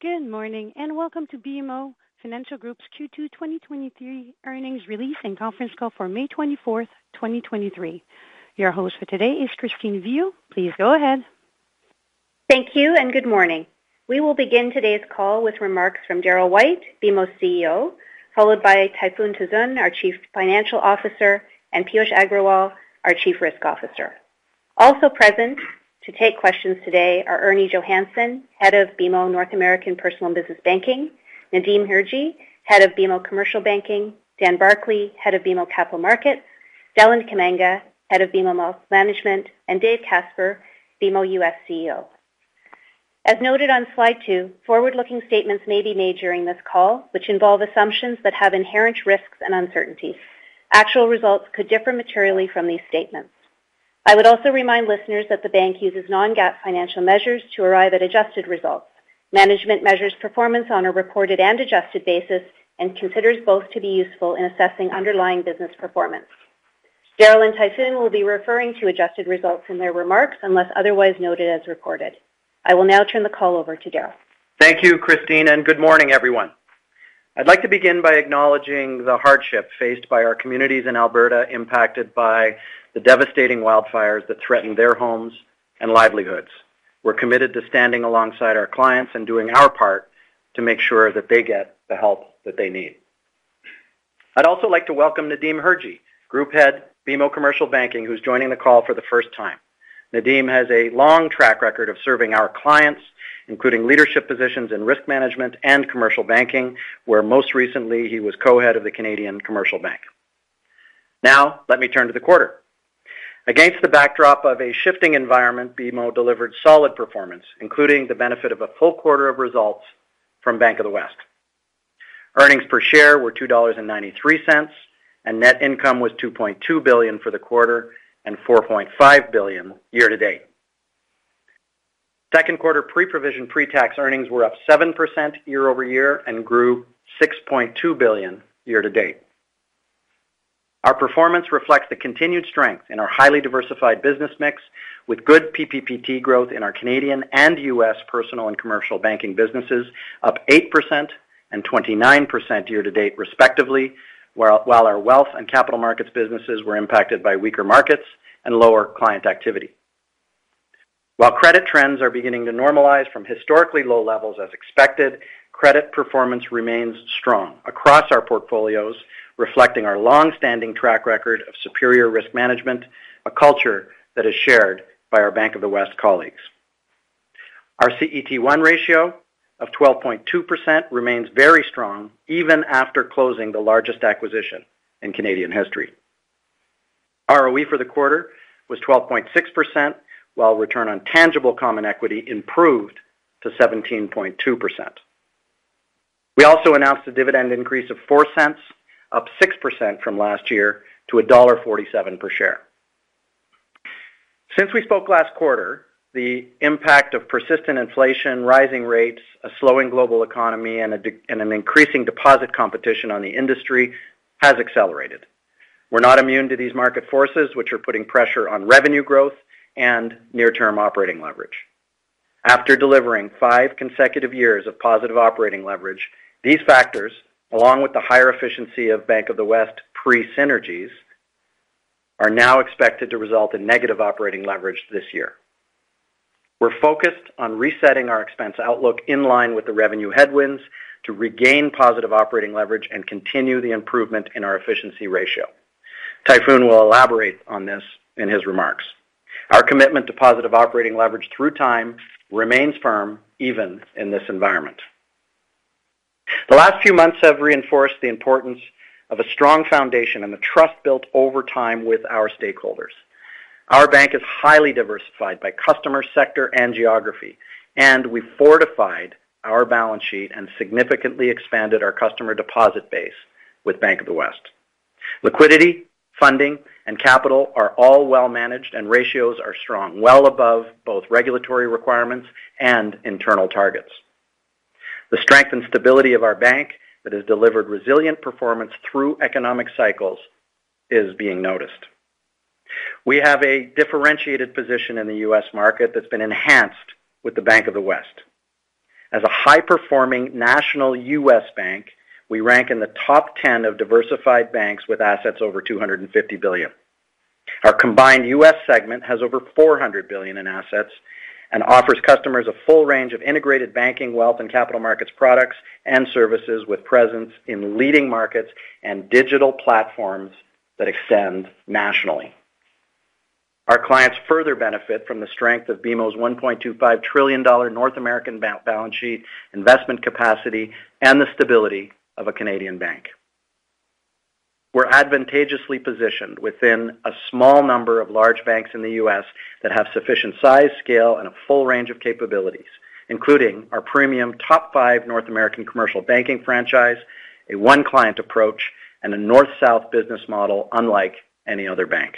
Good morning, and welcome to BMO Financial Group's Q2 2023 earnings release and conference call for May 24th, 2023. Your host for today is Christine Viau. Please go ahead. Thank you. Good morning. We will begin today's call with remarks from Darryl White, BMO's CEO, followed by Tayfun Tuzun, our Chief Financial Officer, and Piyush Agrawal, our Chief Risk Officer. Also present to take questions today are Ernie Johannson, Head of BMO North American Personal and Business Banking, Nadeem Hirji, Head of BMO Commercial Banking, Dan Barclay, Head of BMO Capital Markets, Deland Kamanga, Head of BMO Wealth Management, and Dave Casper, BMO U.S. CEO. As noted on slide two, forward-looking statements may be made during this call, which involve assumptions that have inherent risks and uncertainties. Actual results could differ materially from these statements. I would also remind listeners that the bank uses non-GAAP financial measures to arrive at adjusted results. Management measures performance on a reported and adjusted basis and considers both to be useful in assessing underlying business performance. Darryl and Tayfun will be referring to adjusted results in their remarks, unless otherwise noted as reported. I will now turn the call over to Darryl. Thank you, Christine. Good morning, everyone. I'd like to begin by acknowledging the hardship faced by our communities in Alberta impacted by the devastating wildfires that threaten their homes and livelihoods. We're committed to standing alongside our clients and doing our part to make sure that they get the help that they need. I'd also like to welcome Nadeem Hirji, Group Head, BMO Commercial Banking, who's joining the call for the first time. Nadeem has a long track record of serving our clients, including leadership positions in risk management and commercial banking, where most recently, he was Co-Head of the Canadian Commercial Bank. Let me turn to the quarter. Against the backdrop of a shifting environment, BMO delivered solid performance, including the benefit of a full quarter of results from Bank of the West. Earnings per share were 2.93 dollars, net income was 2.2 billion for the quarter and 4.5 billion year-to-date. Second quarter pre-provision pre-tax earnings were up 7% year-over-year and grew 6.2 billion year-to-date. Our performance reflects the continued strength in our highly diversified business mix with good PPPT growth in our Canadian and U.S. Personal and Commercial Banking businesses, up 8% and 29% year-to-date, respectively, while our Wealth and Capital Markets businesses were impacted by weaker markets and lower client activity. Credit trends are beginning to normalize from historically low levels as expected, credit performance remains strong across our portfolios, reflecting our long-standing track record of superior risk management, a culture that is shared by our Bank of the West colleagues. Our CET1 ratio of 12.2% remains very strong even after closing the largest acquisition in Canadian history. ROE for the quarter was 12.6%, while return on tangible common equity improved to 17.2%. We also announced a dividend increase of $0.04, up 6% from last year to $1.47 per share. Since we spoke last quarter, the impact of persistent inflation, rising rates, a slowing global economy, and an increasing deposit competition on the industry has accelerated. We're not immune to these market forces, which are putting pressure on revenue growth and near-term operating leverage. After delivering five consecutive years of positive operating leverage, these factors, along with the higher efficiency of Bank of the West pre-synergies, are now expected to result in negative operating leverage this year. We're focused on resetting our expense outlook in line with the revenue headwinds to regain positive operating leverage and continue the improvement in our efficiency ratio. Tayfun will elaborate on this in his remarks. Our commitment to positive operating leverage through time remains firm even in this environment. The last few months have reinforced the importance of a strong foundation and the trust built over time with our stakeholders. Our bank is highly diversified by customer sector and geography, and we fortified our balance sheet and significantly expanded our customer deposit base with Bank of the West. Liquidity, funding, and capital are all well managed and ratios are strong, well above both regulatory requirements and internal targets. The strength and stability of our bank that has delivered resilient performance through economic cycles is being noticed. We have a differentiated position in the U.S. market that's been enhanced with the Bank of the West. As a high-performing national U.S. bank, we rank in the top 10 of diversified banks with assets over $250 billion. Our combined U.S. segment has over $400 billion in assets and offers customers a full range of integrated banking, wealth and capital markets products and services with presence in leading markets and digital platforms that extend nationally. Our clients further benefit from the strength of BMO's 1.25 trillion dollar North American balance sheet investment capacity and the stability of a Canadian bank. We're advantageously positioned within a small number of large banks in the U.S. that have sufficient size, scale, and a full range of capabilities, including our premium top five North American commercial banking franchise, a one client approach, and a North-South business model unlike any other bank.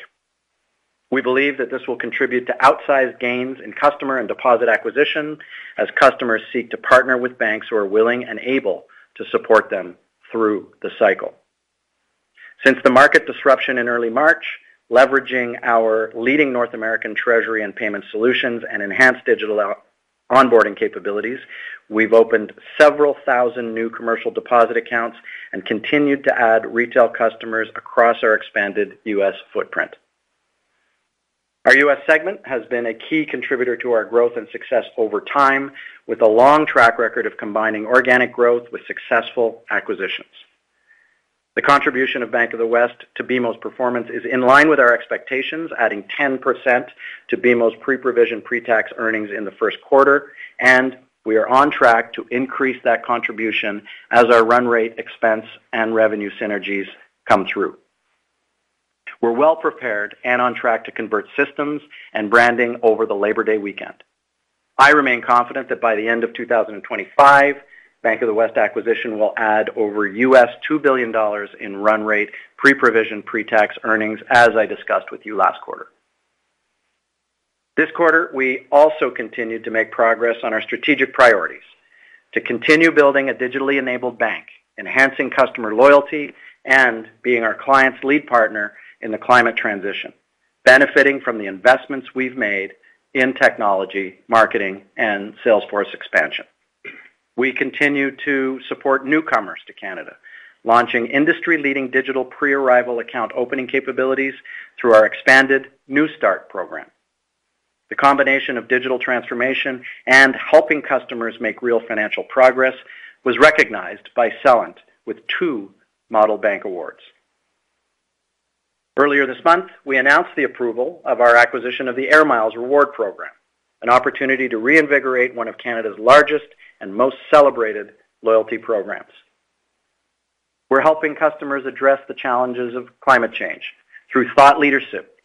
We believe that this will contribute to outsized gains in customer and deposit acquisition as customers seek to partner with banks who are willing and able to support them through the cycle. Since the market disruption in early March, leveraging our leading North American treasury and payment solutions and enhanced digital out-onboarding capabilities, we've opened several thousand new commercial deposit accounts and continued to add retail customers across our expanded U.S. footprint. Our U.S. segment has been a key contributor to our growth and success over time, with a long track record of combining organic growth with successful acquisitions. The contribution of Bank of the West to BMO's performance is in line with our expectations, adding 10% to BMO's pre-provision pre-tax earnings in the first quarter, and we are on track to increase that contribution as our run rate, expense, and revenue synergies come through. We're well prepared and on track to convert systems and branding over the Labour Day weekend. I remain confident that by the end of 2025, Bank of the West acquisition will add over $2 billion in run rate pre-provision, pre-tax earnings, as I discussed with you last quarter. This quarter, we also continued to make progress on our strategic priorities to continue building a digitally enabled bank, enhancing customer loyalty, and being our client's lead partner in the climate transition, benefiting from the investments we've made in technology, marketing, and sales force expansion. We continue to support newcomers to Canada, launching industry-leading digital pre-arrival account opening capabilities through our expanded NewStart program. The combination of digital transformation and helping customers make real financial progress was recognized by Celent with two Model Bank awards. Earlier this month, we announced the approval of our acquisition of the AIR MILES Reward Program, an opportunity to reinvigorate one of Canada's largest and most celebrated loyalty programs. We're helping customers address the challenges of climate change through thought leadership,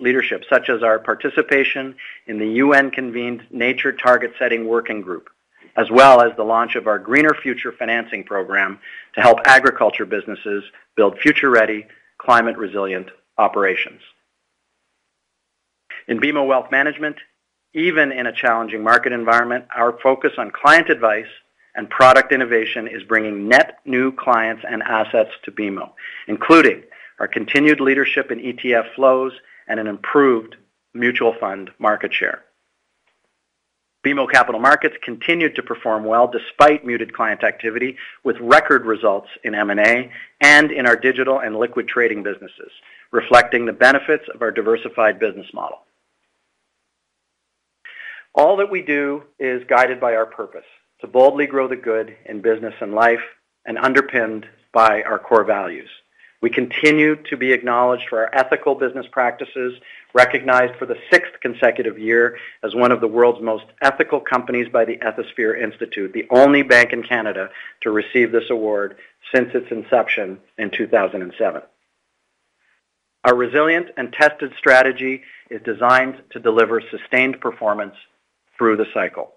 such as our participation in the UN-Convened Nature Target Setting Working Group, as well as the launch of our Greener Future Financing program to help Agriculture businesses build future-ready, climate-resilient operations. In BMO Wealth Management, even in a challenging market environment, our focus on client advice and product innovation is bringing net new clients and assets to BMO, including our continued leadership in ETF flows and an improved mutual fund market share. BMO Capital Markets continued to perform well despite muted client activity, with record results in M&A and in our Digital and Liquid Trading businesses, reflecting the benefits of our diversified business model. All that we do is guided by our purpose, to boldly grow the good in business and life, and underpinned by our core values. We continue to be acknowledged for our ethical business practices, recognized for the sixth consecutive year as one of the world's most ethical companies by the Ethisphere Institute, the only bank in Canada to receive this award since its inception in 2007. Our resilient and tested strategy is designed to deliver sustained performance through the cycle.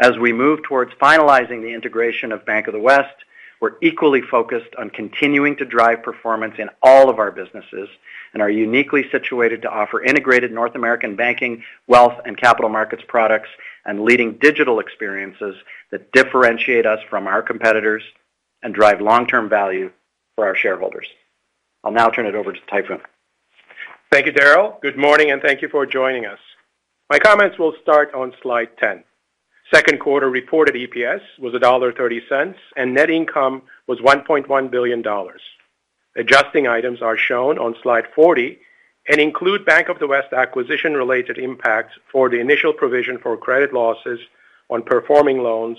As we move towards finalizing the integration of Bank of the West, we're equally focused on continuing to drive performance in all of our businesses and are uniquely situated to offer integrated North American banking, wealth, and capital markets products, and leading digital experiences that differentiate us from our competitors and drive long-term value for our shareholders. I'll now turn it over to Tayfun. Thank you, Darryl. Good morning, thank you for joining us. My comments will start on slide 10. Second quarter reported EPS was dollar 1.30, net income was 1.1 billion dollars. Adjusting items are shown on slide 40 and include Bank of the West acquisition-related impacts for the initial provision for credit losses on performing loans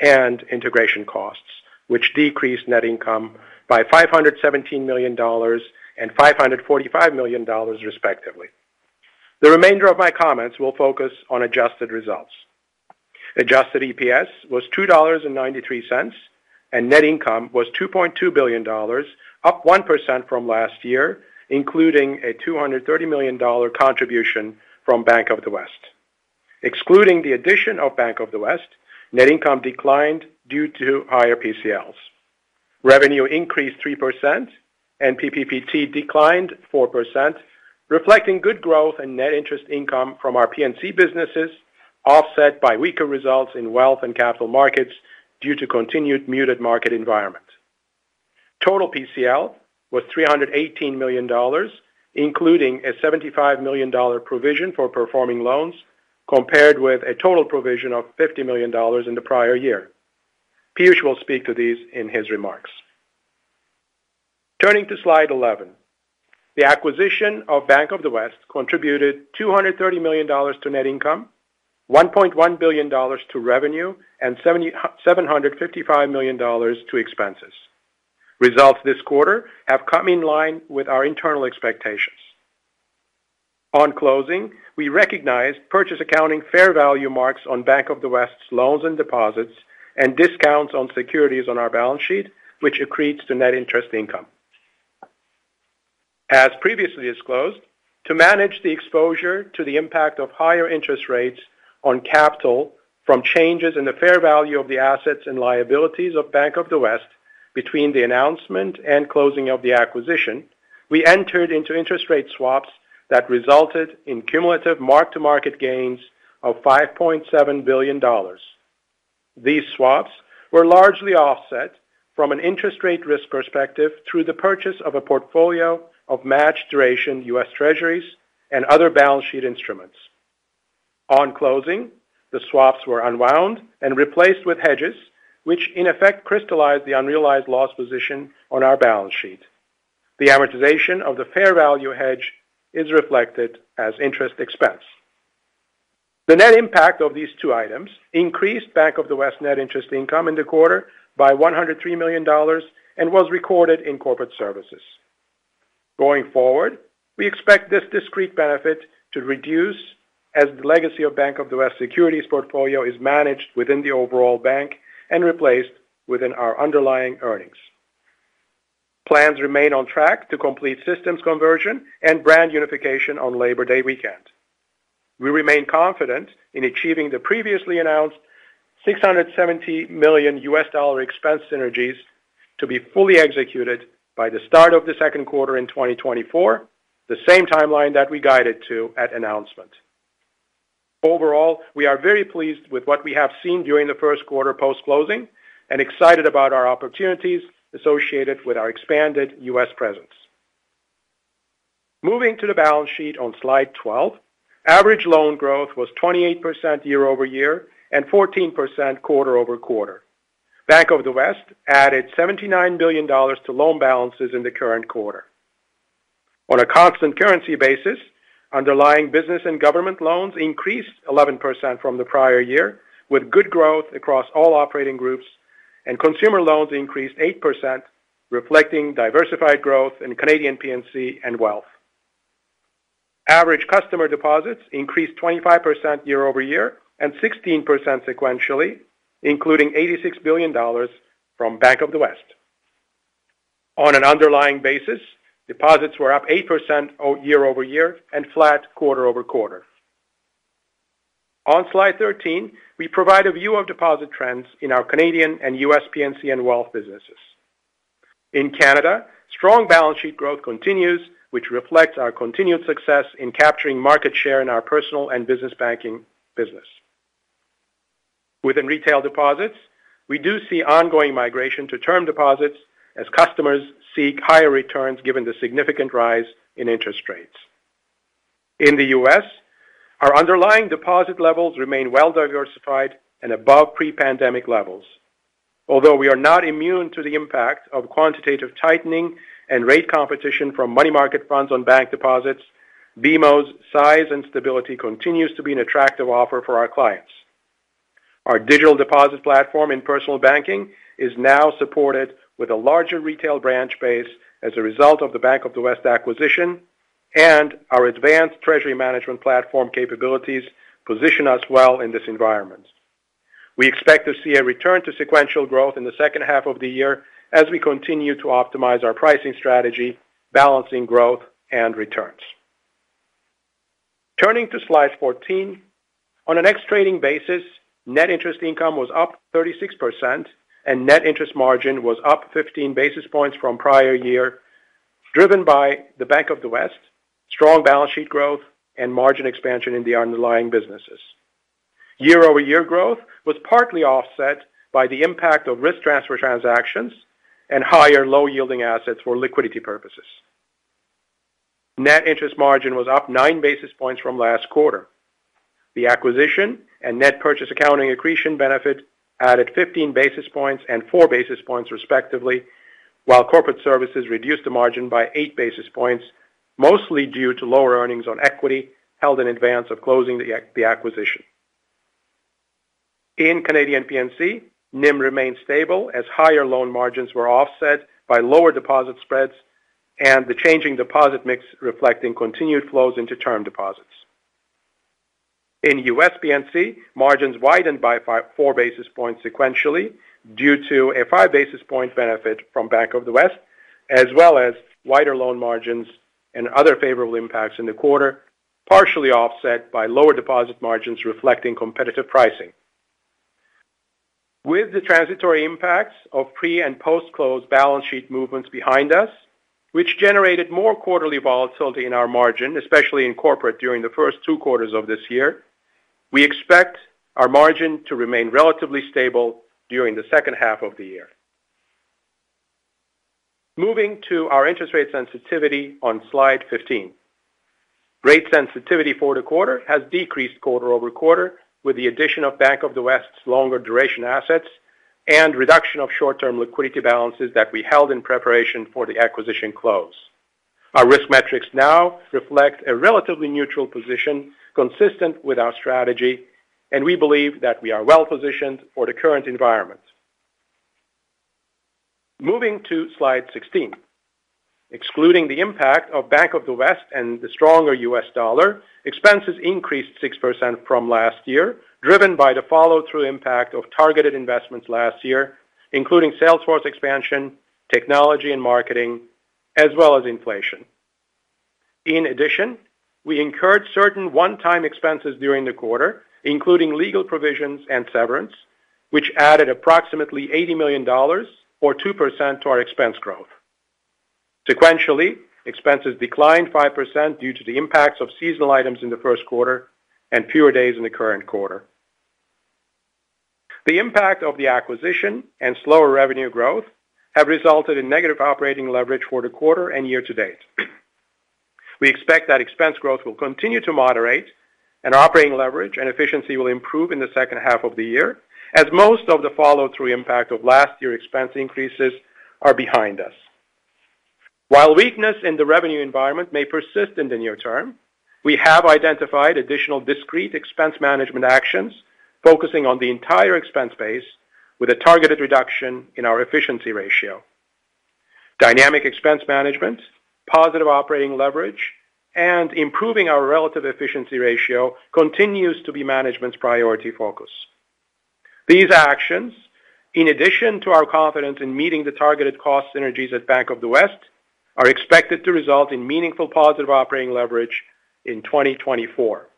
and integration costs, which decreased net income by 517 million dollars and 545 million dollars, respectively. The remainder of my comments will focus on adjusted results. Adjusted EPS was 2.93 dollars, net income was 2.2 billion dollars, up 1% from last year, including a 230 million dollar contribution from Bank of the West. Excluding the addition of Bank of the West, net income declined due to higher PCLs. Revenue increased 3%. PPPT declined 4%, reflecting good growth and net interest income from our P&C businesses, offset by weaker results in wealth and capital markets due to continued muted market environment. Total PCL was 318 million dollars, including a 75 million dollar provision for performing loans, compared with a total provision of 50 million dollars in the prior year. Piyush will speak to these in his remarks. Turning to slide 11, the acquisition of Bank of the West contributed 230 million dollars to net income, 1.1 billion dollars to revenue, and 755 million dollars to expenses. Results this quarter have come in line with our internal expectations. On closing, we recognized purchase accounting fair value marks on Bank of the West's loans and deposits and discounts on securities on our balance sheet, which accretes to net interest income. As previously disclosed, to manage the exposure to the impact of higher interest rates on capital from changes in the fair value of the assets and liabilities of Bank of the West between the announcement and closing of the acquisition, we entered into interest rate swaps that resulted in cumulative mark-to-market gains of $5.7 billion. These swaps were largely offset from an interest rate risk perspective through the purchase of a portfolio of matched duration U.S. Treasuries and other balance sheet instruments. On closing, the swaps were unwound and replaced with hedges, which in effect crystallized the unrealized loss position on our balance sheet. The amortization of the fair value hedge is reflected as interest expense. The net impact of these two items increased Bank of the West net interest income in the quarter by $103 million and was recorded in corporate services. Going forward, we expect this discrete benefit to reduce as the legacy of Bank of the West securities portfolio is managed within the overall bank and replaced within our underlying earnings. Plans remain on track to complete systems conversion and brand unification on Labour Day weekend. We remain confident in achieving the previously announced $670 million expense synergies to be fully executed by the start of the second quarter in 2024, the same timeline that we guided to at announcement. Overall, we are very pleased with what we have seen during the first quarter post-closing and excited about our opportunities associated with our expanded U.S. presence. Moving to the balance sheet on slide 12, average loan growth was 28% year-over-year and 14% quarter-over-quarter. Bank of the West added $79 billion to loan balances in the current quarter. On a constant currency basis, underlying business and government loans increased 11% from the prior year, with good growth across all operating groups, and consumer loans increased 8%, reflecting diversified growth in Canadian P&C and Wealth. Average customer deposits increased 25% year-over-year and 16% sequentially, including $86 billion from Bank of the West. On an underlying basis, deposits were up 8% year-over-year and flat quarter-over-quarter. On slide 13, we provide a view of deposit trends in our Canadian and U.S. P&C and Wealth businesses. In Canada, strong balance sheet growth continues, which reflects our continued success in capturing market share in our Personal and Business Banking business. Within retail deposits, we do see ongoing migration to term deposits as customers seek higher returns given the significant rise in interest rates. In the U.S., our underlying deposit levels remain well diversified and above pre-pandemic levels. We are not immune to the impact of quantitative tightening and rate competition from money market funds on bank deposits, BMO's size and stability continues to be an attractive offer for our clients. Our digital deposit platform in Personal Banking is now supported with a larger retail branch base as a result of the Bank of the West acquisition and our advanced treasury management platform capabilities position us well in this environment. We expect to see a return to sequential growth in the second half of the year as we continue to optimize our pricing strategy, balancing growth and returns. Turning to slide 14. On an X trading basis, net interest income was up 36% and net interest margin was up 15 basis points from prior year, driven by the Bank of the West, strong balance sheet growth and margin expansion in the underlying businesses. Year-over-year growth was partly offset by the impact of risk transfer transactions and higher low yielding assets for liquidity purposes. Net interest margin was up 9 basis points from last quarter. The acquisition and net purchase accounting accretion benefit added 15 basis points and 4 basis points respectively, while corporate services reduced the margin by 8 basis points, mostly due to lower earnings on equity held in advance of closing the acquisition. In Canadian P&C, NIM remained stable as higher loan margins were offset by lower deposit spreads and the changing deposit mix reflecting continued flows into term deposits. In U.S. P&C, margins widened by 4 basis points sequentially due to a 5 basis point benefit from Bank of the West, as well as wider loan margins and other favorable impacts in the quarter, partially offset by lower deposit margins reflecting competitive pricing. With the transitory impacts of pre and post-close balance sheet movements behind us, which generated more quarterly volatility in our margin, especially in corporate during the first two quarters of this year, we expect our margin to remain relatively stable during the second half of the year. Moving to our interest rate sensitivity on slide 15. Rate sensitivity for the quarter has decreased quarter-over-quarter with the addition of Bank of the West's longer duration assets and reduction of short-term liquidity balances that we held in preparation for the acquisition close. Our risk metrics now reflect a relatively neutral position consistent with our strategy. We believe that we are well positioned for the current environment. Moving to slide 16. Excluding the impact of Bank of the West and the stronger U.S. dollar, expenses increased 6% from last year, driven by the follow-through impact of targeted investments last year, including sales force expansion, technology and marketing, as well as inflation. We incurred certain one-time expenses during the quarter, including legal provisions and severance, which added approximately 80 million dollars or 2% to our expense growth. Sequentially, expenses declined 5% due to the impacts of seasonal items in the first quarter and fewer days in the current quarter. The impact of the acquisition and slower revenue growth have resulted in negative operating leverage for the quarter and year to date. We expect that expense growth will continue to moderate, and operating leverage and efficiency will improve in the second half of the year as most of the follow-through impact of last year expense increases are behind us. While weakness in the revenue environment may persist in the near term, we have identified additional discrete expense management actions focusing on the entire expense base with a targeted reduction in our efficiency ratio. Dynamic expense management, positive operating leverage, and improving our relative efficiency ratio continues to be management's priority focus. These actions, in addition to our confidence in meeting the targeted cost synergies at Bank of the West, are expected to result in meaningful positive operating leverage in 2024.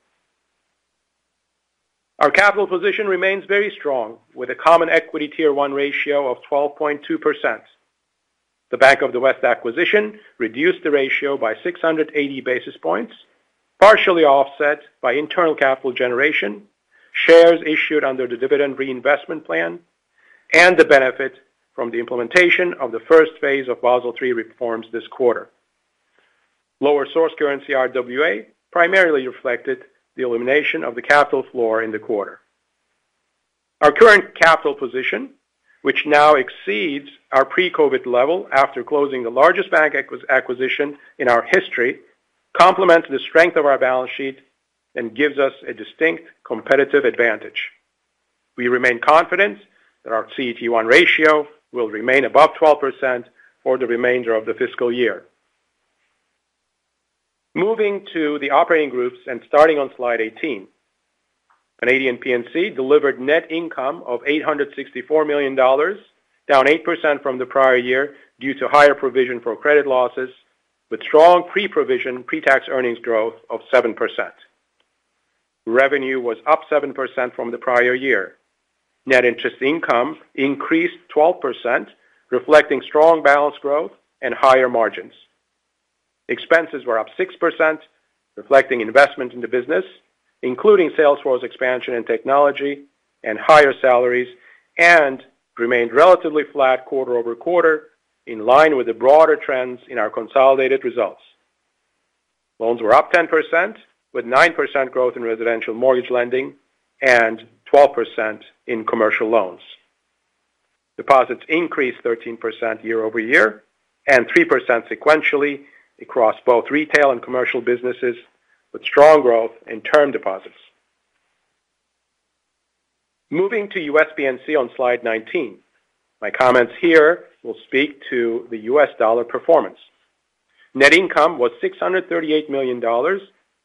Our capital position remains very strong with a Common Equity Tier 1 ratio of 12.2%. The Bank of the West acquisition reduced the ratio by 680 basis points, partially offset by internal capital generation, shares issued under the dividend reinvestment plan, and the benefit from the implementation of the first phase of Basel III reforms this quarter. Lower source currency RWA primarily reflected the elimination of the capital floor in the quarter. Our current capital position, which now exceeds our pre-COVID level after closing the largest bank acquisition in our history, complements the strength of our balance sheet and gives us a distinct competitive advantage. We remain confident that our CET1 ratio will remain above 12% for the remainder of the fiscal year. Moving to the operating groups and starting on slide 18. Canadian P&C delivered net income of $864 million, down 8% from the prior year due to higher provision for credit losses with strong pre-provision pre-tax earnings growth of 7%. Revenue was up 7% from the prior year. Net interest income increased 12%, reflecting strong balance growth and higher margins. Expenses were up 6%, reflecting investment in the business, including sales force expansion and technology and higher salaries, and remained relatively flat quarter-over-quarter, in line with the broader trends in our consolidated results. Loans were up 10%, with 9% growth in residential mortgage lending and 12% in commercial loans. Deposits increased 13% year-over-year and 3% sequentially across both Retail and Commercial businesses with strong growth in term deposits. Moving to U.S. P&C on slide 19. My comments here will speak to the U.S. dollar performance. Net income was $638 million,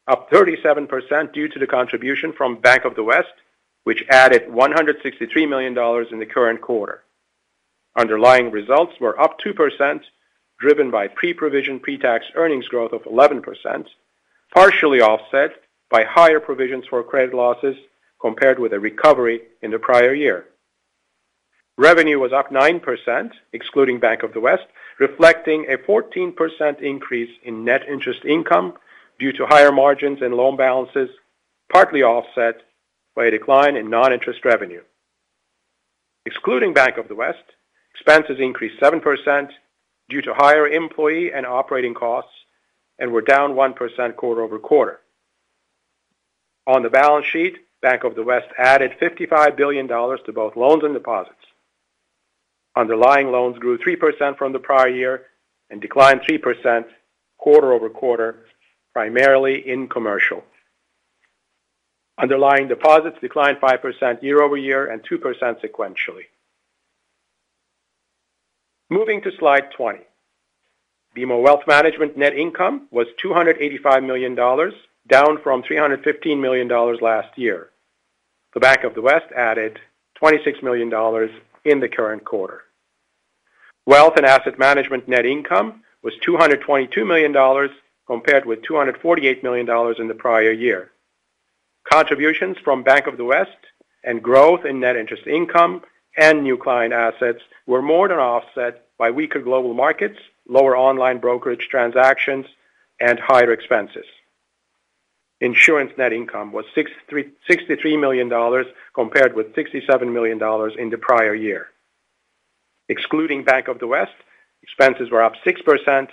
up 37% due to the contribution from Bank of the West, which added $163 million in the current quarter. Underlying results were up 2%, driven by pre-provision pre-tax earnings growth of 11%, partially offset by higher provisions for credit losses compared with a recovery in the prior year. Revenue was up 9%, excluding Bank of the West, reflecting a 14% increase in net interest income due to higher margins and loan balances, partly offset by a decline in non-interest revenue. Excluding Bank of the West, expenses increased 7% due to higher employee and operating costs and were down 1% quarter-over-quarter. On the balance sheet, Bank of the West added $55 billion to both loans and deposits. Underlying loans grew 3% from the prior year and declined 3% quarter-over-quarter, primarily in commercial. Underlying deposits declined 5% year-over-year and 2% sequentially. Moving to slide 20. BMO Wealth Management net income was $285 million, down from $315 million last year. The Bank of the West added $26 million in the current quarter. Wealth and asset management net income was $222 million, compared with $248 million in the prior year. Contributions from Bank of the West and growth in net interest income and new client assets were more than offset by weaker global markets, lower online brokerage transactions, and higher expenses. Insurance net income was $63 million compared with $67 million in the prior year. Excluding Bank of the West, expenses were up 6%,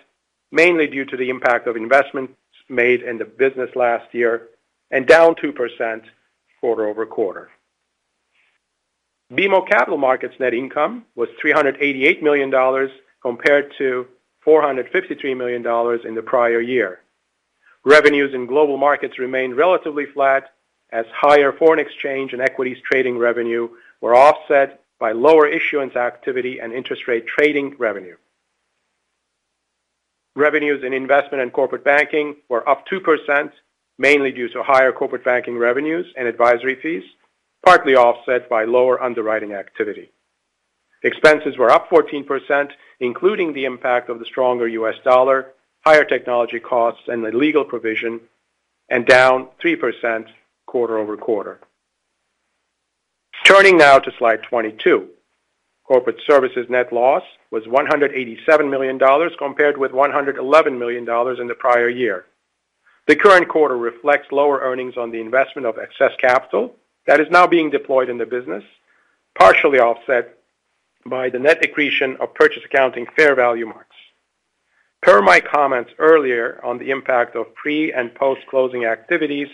mainly due to the impact of investments made in the business last year and down 2% quarter-over-quarter. BMO Capital Markets net income was 388 million dollars compared to 453 million dollars in the prior year. Revenues in global markets remained relatively flat as higher foreign exchange and equities trading revenue were offset by lower issuance activity and interest rate trading revenue. Revenues in investment and corporate banking were up 2%, mainly due to higher corporate banking revenues and advisory fees, partly offset by lower underwriting activity. Expenses were up 14%, including the impact of the stronger U.S. dollar, higher technology costs and the legal provision, and down 3% quarter-over-quarter. Turning now to slide 22. Corporate services net loss was 187 million dollars compared with 111 million dollars in the prior year. The current quarter reflects lower earnings on the investment of excess capital that is now being deployed in the business, partially offset by the net accretion of purchase accounting fair value marks. Per my comments earlier on the impact of pre and post-closing activities,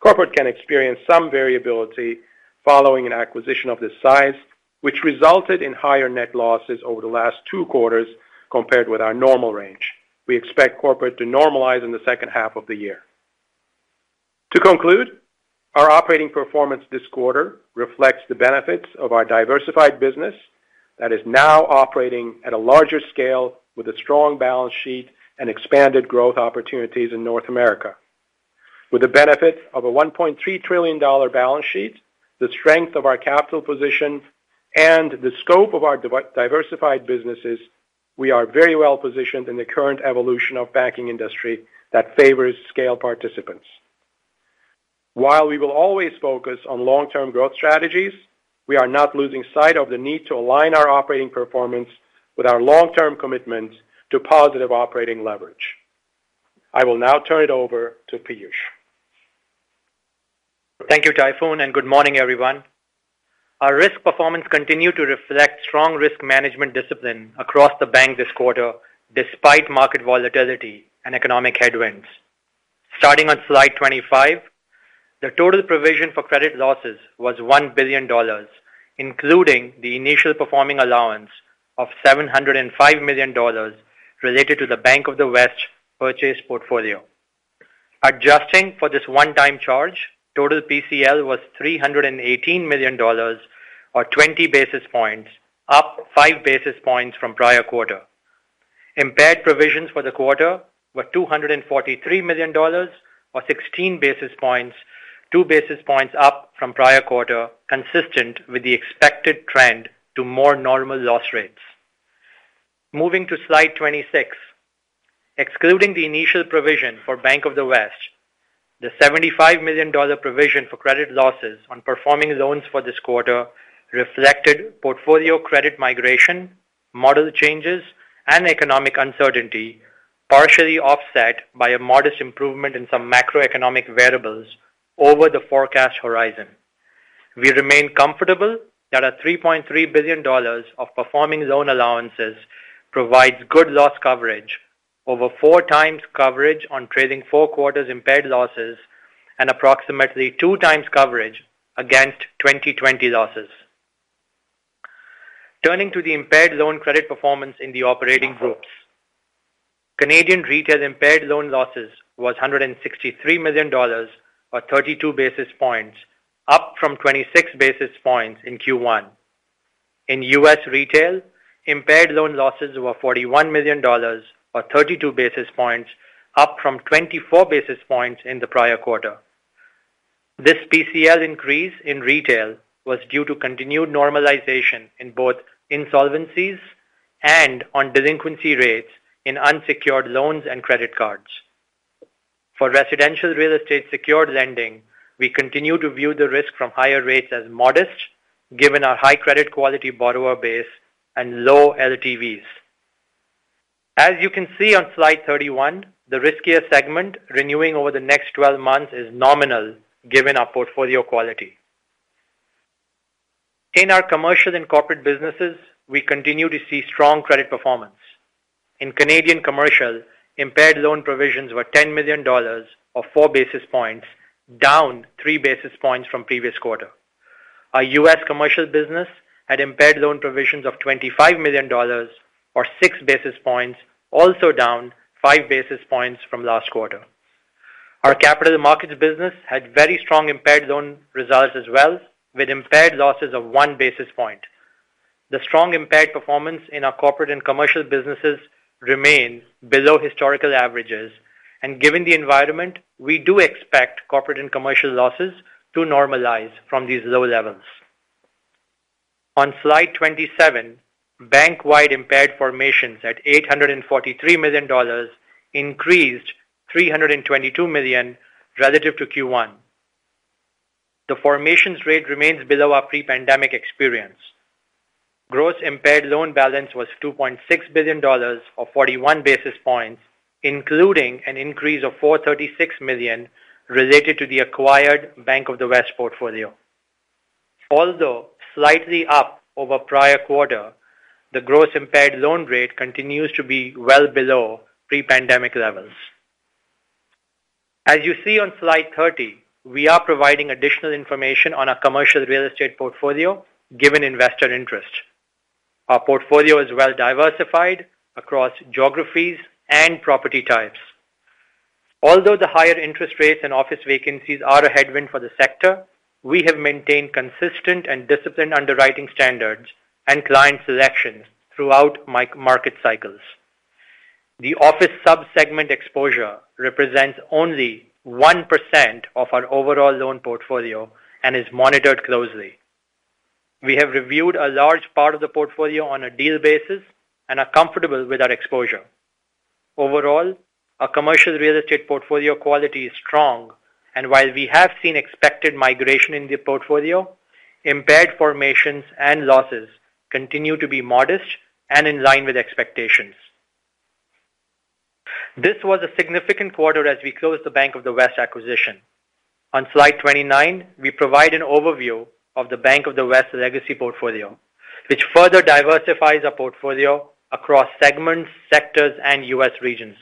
corporate can experience some variability following an acquisition of this size, which resulted in higher net losses over the last two quarters compared with our normal range. We expect corporate to normalize in the second half of the year. To conclude, our operating performance this quarter reflects the benefits of our diversified business that is now operating at a larger scale with a strong balance sheet and expanded growth opportunities in North America. With the benefit of a $1.3 trillion balance sheet, the strength of our capital position and the scope of our diversified businesses, we are very well positioned in the current evolution of banking industry that favors scale participants. While we will always focus on long-term growth strategies, we are not losing sight of the need to align our operating performance with our long-term commitment to positive operating leverage. I will now turn it over to Piyush. Thank you, Tayfun, and good morning, everyone. Our risk performance continued to reflect strong risk management discipline across the bank this quarter despite market volatility and economic headwinds. Starting on slide 25, the total provision for credit losses was 1 billion dollars, including the initial performing allowance of 705 million dollars related to the Bank of the West purchase portfolio. Adjusting for this one-time charge, total PCL was 318 million dollars or 20 basis points, up 5 basis points from prior quarter. Impaired provisions for the quarter were 243 million dollars or 16 basis points, 2 basis points up from prior quarter, consistent with the expected trend to more normal loss rates. Moving to slide 26. Excluding the initial provision for Bank of the West, the $75 million provision for credit losses on performing loans for this quarter reflected portfolio credit migration, model changes and economic uncertainty, partially offset by a modest improvement in some macroeconomic variables over the forecast horizon. We remain comfortable that our $3.3 billion of performing loan allowances provides good loss coverage over 4x coverage on trading four quarters impaired losses and approximately 2x coverage against 2020 losses. Turning to the impaired loan credit performance in the operating groups. Canadian retail impaired loan losses was $163 million or 32 basis points, up from 26 basis points in Q1. In US retail, impaired loan losses were $41 million or 32 basis points, up from 24 basis points in the prior quarter. This PCL increase in retail was due to continued normalization in both insolvencies and on delinquency rates in unsecured loans and credit cards. For residential real estate secured lending, we continue to view the risk from higher rates as modest given our high credit quality borrower base and low LTVs. As you can see on slide 31, the riskier segment renewing over the next 12 months is nominal given our portfolio quality. In our Commercial and Corporate businesses, we continue to see strong credit performance. In Canadian commercial, impaired loan provisions were $10 million or 4 basis points, down 3 basis points from previous quarter. Our U.S. Commercial business had impaired loan provisions of $25 million or 6 basis points, also down 5 basis points from last quarter. Our Capital Markets business had very strong impaired loan results as well, with impaired losses of 1 basis point. The strong impaired performance in our Corporate and Commercial businesses remains below historical averages. Given the environment, we do expect corporate and commercial losses to normalize from these low levels. On slide 27, bank-wide impaired formations at 843 million dollars increased 322 million relative to Q1. The formations rate remains below our pre-pandemic experience. Gross impaired loan balance was 2.6 billion dollars or 41 basis points, including an increase of 436 million related to the acquired Bank of the West portfolio. Although slightly up over prior quarter, the gross impaired loan rate continues to be well below pre-pandemic levels. As you see on slide 30, we are providing additional information on our commercial real estate portfolio given investor interest. Our portfolio is well diversified across geographies and property types. Although the higher interest rates and office vacancies are a headwind for the sector, we have maintained consistent and disciplined underwriting standards and client selections throughout market cycles. The office sub-segment exposure represents only 1% of our overall loan portfolio and is monitored closely. We have reviewed a large part of the portfolio on a deal basis and are comfortable with our exposure. Overall, our commercial real estate portfolio quality is strong. While we have seen expected migration in the portfolio, impaired formations and losses continue to be modest and in line with expectations. This was a significant quarter as we closed the Bank of the West acquisition. On slide 29, we provide an overview of the Bank of the West legacy portfolio, which further diversifies our portfolio across segments, sectors, and U.S. regions.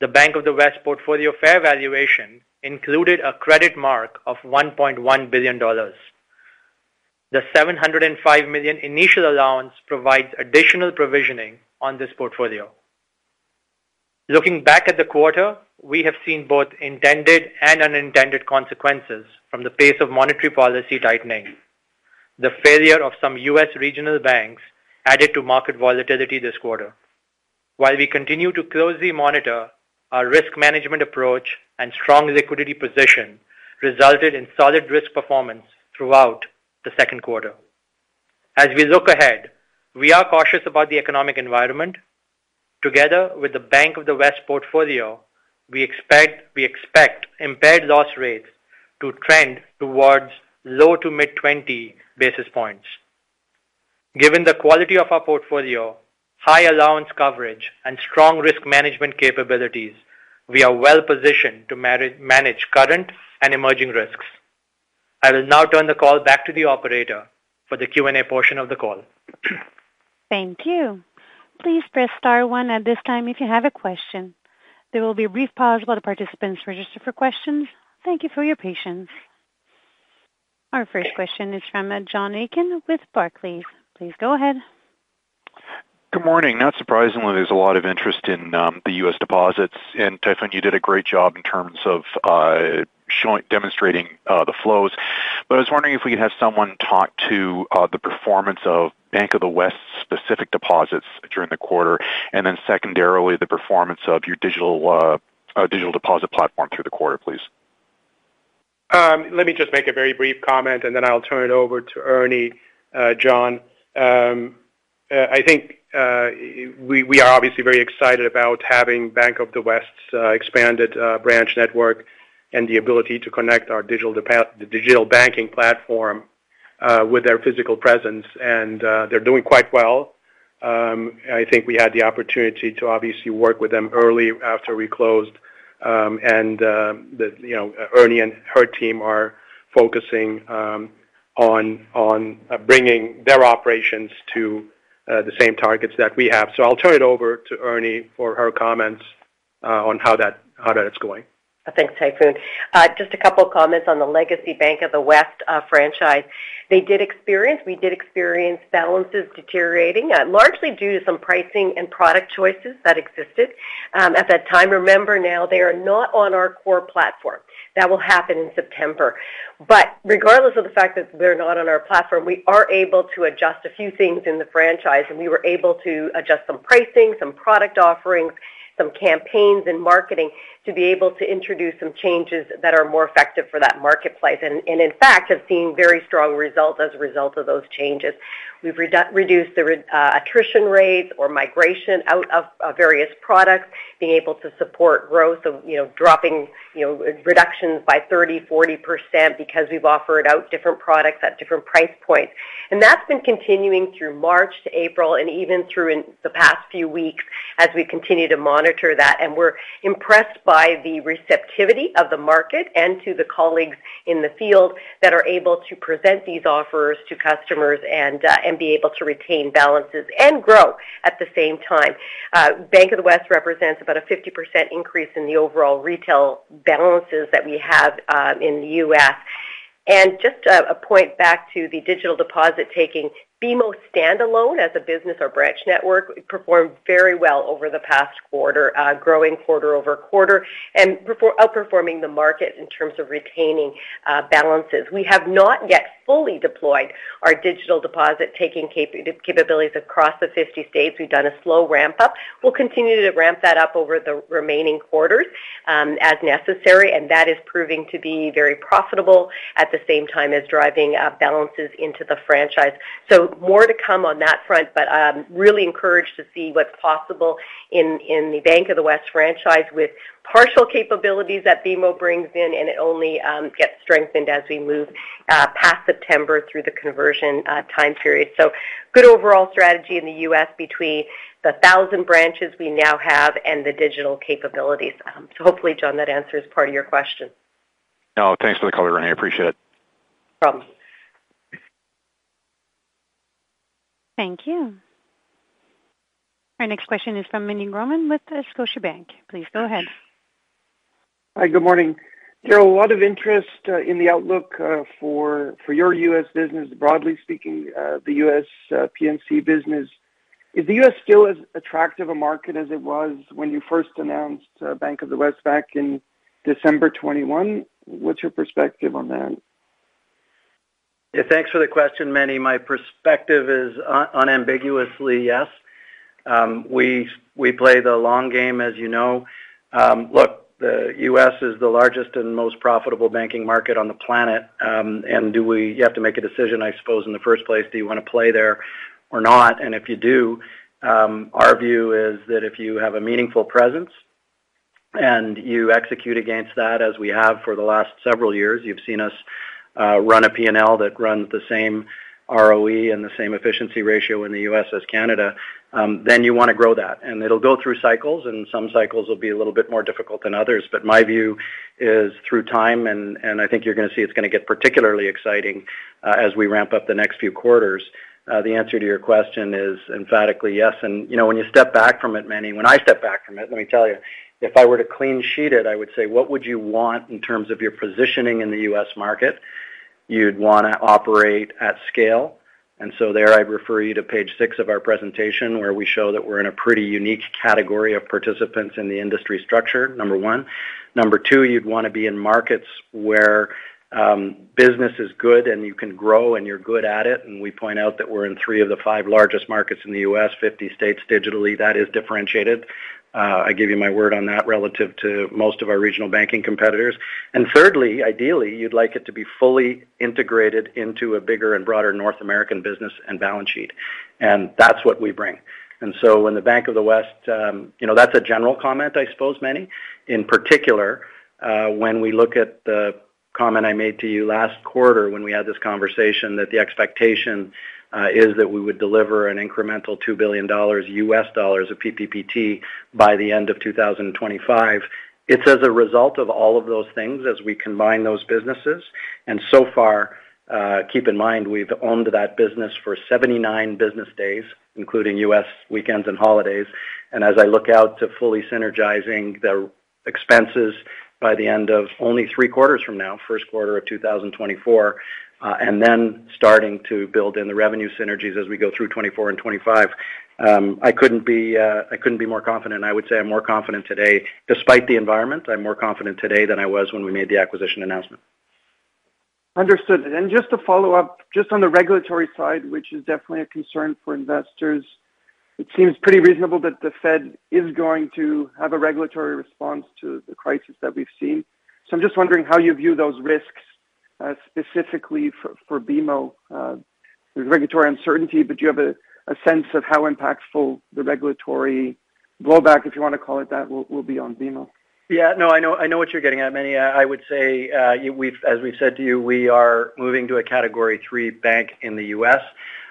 The Bank of the West portfolio fair valuation included a credit mark of $1.1 billion. The $705 million initial allowance provides additional provisioning on this portfolio. Looking back at the quarter, we have seen both intended and unintended consequences from the pace of monetary policy tightening. The failure of some U.S. regional banks added to market volatility this quarter. While we continue to closely monitor our risk management approach and strong liquidity position resulted in solid risk performance throughout the second quarter. As we look ahead, we are cautious about the economic environment. Together with the Bank of the West portfolio, we expect impaired loss rates to trend towards low to mid 20 basis points. Given the quality of our portfolio, high allowance coverage and strong risk management capabilities, we are well positioned to manage current and emerging risks. I will now turn the call back to the operator for the Q&A portion of the call. Thank you. Please press star one at this time if you have a question. There will be a brief pause while the participants register for questions. Thank you for your patience. Our first question is from John Aiken with Barclays. Please go ahead. Good morning. Not surprisingly, there's a lot of interest in the U.S. deposits. Tayfun, you did a great job in terms of demonstrating the flows. I was wondering if we could have someone talk to the performance of Bank of the West specific deposits during the quarter. Secondarily, the performance of your digital deposit platform through the quarter, please. Let me just make a very brief comment, and then I'll turn it over to Ernie, John. I think we are obviously very excited about having Bank of the West's expanded branch network and the ability to connect our digital banking platform with their physical presence. They're doing quite well. I think we had the opportunity to obviously work with them early after we closed. And, you know, Ernie and her team are focusing on bringing their operations to the same targets that we have. I'll turn it over to Ernie for her comments on how that is going. Thanks, Tayfun. Just a couple of comments on the legacy Bank of the West franchise. We did experience balances deteriorating largely due to some pricing and product choices that existed at that time. Remember now, they are not on our core platform. That will happen in September. Regardless of the fact that they're not on our platform, we are able to adjust a few things in the franchise, and we were able to adjust some pricing, some product offerings, some campaigns and marketing to be able to introduce some changes that are more effective for that marketplace. In fact, have seen very strong result as a result of those changes. We've reduced the attrition rates or migration out of various products, being able to support growth of, you know, dropping, you know, reductions by 30%, 40% because we've offered out different products at different price points. That's been continuing through March to April and even through in the past few weeks as we continue to monitor that. We're impressed by the receptivity of the market and to the colleagues in the field that are able to present these offers to customers and be able to retain balances and grow at the same time. Bank of the West represents about a 50% increase in the overall retail balances that we have in the U.S. Just a point back to the digital deposit taking. BMO standalone as a business or branch network performed very well over the past quarter, growing quarter-over-quarter and outperforming the market in terms of retaining balances. We have not yet fully deployed our digital deposit taking capabilities across the 50 states. We've done a slow ramp up. We'll continue to ramp that up over the remaining quarters as necessary, and that is proving to be very profitable at the same time as driving balances into the franchise. More to come on that front. Really encouraged to see what's possible in the Bank of the West franchise with partial capabilities that BMO brings in. It only gets strengthened as we move past September through the conversion time period. Good overall strategy in the U.S. between the 1,000 branches we now have and the digital capabilities. Hopefully, John, that answers part of your question. Oh, thanks for the color, Ernie. I appreciate it. No problem. Thank you. Our next question is from Meny Grauman with Scotiabank. Please go ahead. Hi. Good morning. There are a lot of interest in the outlook for your U.S. business, broadly speaking, the U.S. P&C business. Is the U.S. still as attractive a market as it was when you first announced Bank of the West back in December 21? What's your perspective on that? Yeah, thanks for the question, Meny. My perspective is unambiguously yes. We play the long game, as you know. Look, the U.S. is the largest and most profitable banking market on the planet. You have to make a decision, I suppose, in the first place, do you wanna play there or not? If you do, our view is that if you have a meaningful presence and you execute against that as we have for the last several years, you've seen us run a P&L that runs the same ROE and the same efficiency ratio in the U.S. as Canada, then you wanna grow that. It'll go through cycles, and some cycles will be a little bit more difficult than others. My view is through time, and I think you're gonna see it's gonna get particularly exciting as we ramp up the next few quarters. The answer to your question is emphatically yes. You know, when you step back from it, Meny, when I step back from it, let me tell you, if I were to clean sheet it, I would say, what would you want in terms of your positioning in the U.S. market? You'd wanna operate at scale. So there I'd refer you to page six of our presentation, where we show that we're in a pretty unique category of participants in the industry structure, number one. Number two, you'd wanna be in markets where business is good and you can grow and you're good at it, and we point out that we're in three of the five largest markets in the U.S., 50 states digitally. That is differentiated. I give you my word on that relative to most of our regional banking competitors. Thirdly, ideally, you'd like it to be fully integrated into a bigger and broader North American business and balance sheet. That's what we bring. When the Bank of the West, you know, that's a general comment, I suppose, Meny. In particular, when we look at the comment I made to you last quarter when we had this conversation that the expectation, is that we would deliver an incremental $2 billion U.S. dollars of PPPT by the end of 2025. It's as a result of all of those things as we combine those businesses. So far, keep in mind, we've owned that business for 79 business days, including U.S. weekends and holidays. As I look out to fully synergizing the expenses by the end of only three quarters from now, first quarter of 2024, and then starting to build in the revenue synergies as we go through 2024 and 2025, I couldn't be more confident. I would say I'm more confident today. Despite the environment, I'm more confident today than I was when we made the acquisition announcement. Understood. Just to follow up, just on the regulatory side, which is definitely a concern for investors, it seems pretty reasonable that the Fed is going to have a regulatory response to the crisis that we've seen. I'm just wondering how you view those risks, specifically for BMO. There's regulatory uncertainty, but do you have a sense of how impactful the regulatory blowback, if you wanna call it that, will be on BMO? No, I know, I know what you're getting at, Meny. I would say, as we've said to you, we are moving to a Category III bank in the U.S.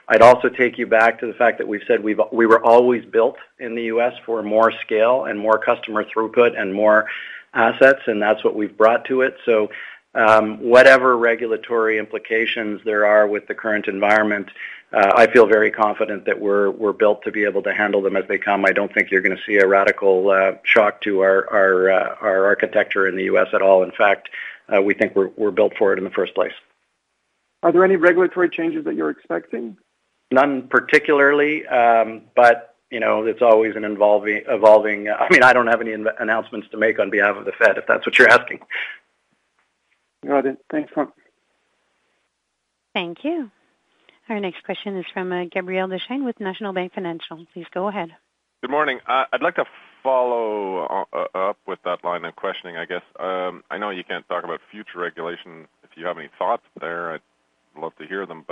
I'd also take you back to the fact that we said we were always built in the U.S. for more scale and more customer throughput and more assets, and that's what we've brought to it. Whatever regulatory implications there are with the current environment, I feel very confident that we're built to be able to handle them as they come. I don't think you're gonna see a radical shock to our architecture in the U.S. at all. In fact, we think we're built for it in the first place. Are there any regulatory changes that you're expecting? None particularly. you know, it's always an evolving, I mean, I don't have any announcements to make on behalf of the Fed, if that's what you're asking. No, I didn't. Thanks. Thank you. Our next question is from Gabriel Dechaine with National Bank Financial. Please go ahead. Good morning. I'd like to follow up with that line of questioning, I guess. I know you can't talk about future regulation. If you have any thoughts there, I'd love to hear them.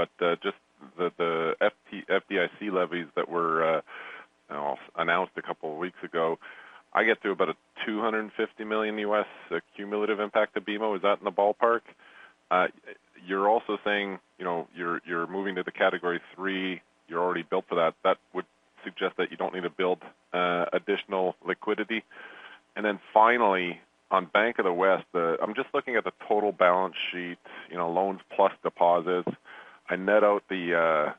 just the FDIC levies that were, you know, announced a couple of weeks ago, I get to about a $250 million U.S. cumulative impact to BMO. Is that in the ballpark? you're also saying, you know, you're moving to the Category III, you're already built for that. That would suggest that you don't need to build additional liquidity. finally, on Bank of the West, I'm just looking at the total balance sheet, you know, loans plus deposits. I net out the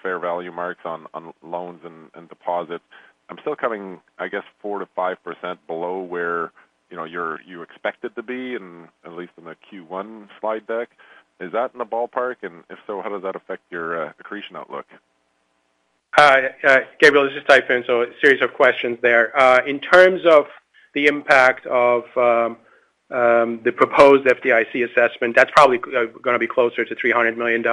fair value marks on loans and deposits. I'm still coming, I guess, 4% to 5% below where, you know, you expected to be in at least in the Q1 slide deck. Is that in the ballpark? If so, how does that affect your accretion outlook? Hi. Gabriel, this is Tayfun. A series of questions there. In terms of the impact of the proposed FDIC assessment, that's probably gonna be closer to $300 million.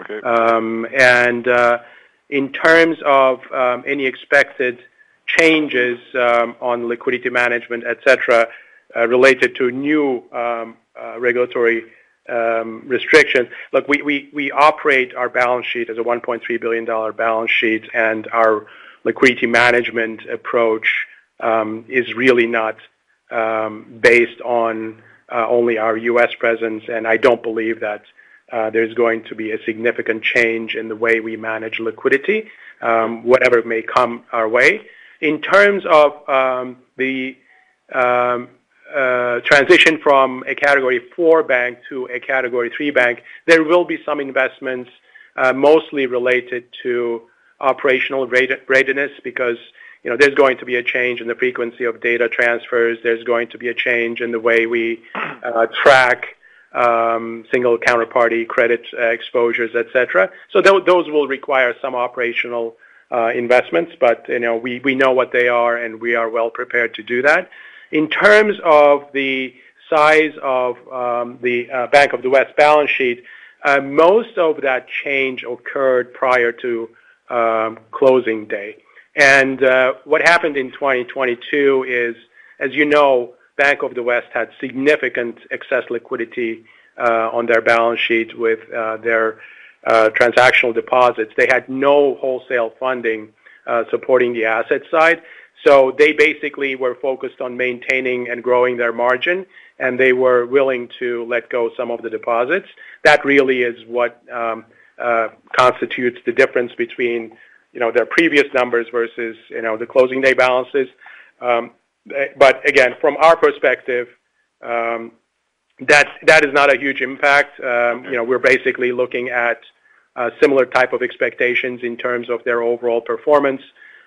Okay. In terms of any expected changes on liquidity management, et cetera, related to new regulatory restrictions. We operate our balance sheet as a $1.3 billion balance sheet, and our liquidity management approach is really not based on only our U.S. presence. I don't believe that there's going to be a significant change in the way we manage liquidity, whatever may come our way. In terms of the transition from a Category IV bank to a Category III bank, there will be some investments mostly related to operational readiness because, you know, there's going to be a change in the frequency of data transfers. There's going to be a change in the way we track single counterparty credit exposures, et cetera. Those will require some operational investments, but, you know, we know what they are, and we are well prepared to do that. In terms of the size of the Bank of the West balance sheet. Most of that change occurred prior to closing day. What happened in 2022 is, as you know, Bank of the West had significant excess liquidity on their balance sheet with their transactional deposits. They had no wholesale funding supporting the asset side. They basically were focused on maintaining and growing their margin, and they were willing to let go some of the deposits. That really is what constitutes the difference between, you know, their previous numbers versus, you know, the closing day balances. Again, from our perspective, that is not a huge impact. You know, we're basically looking at a similar type of expectations in terms of their overall performance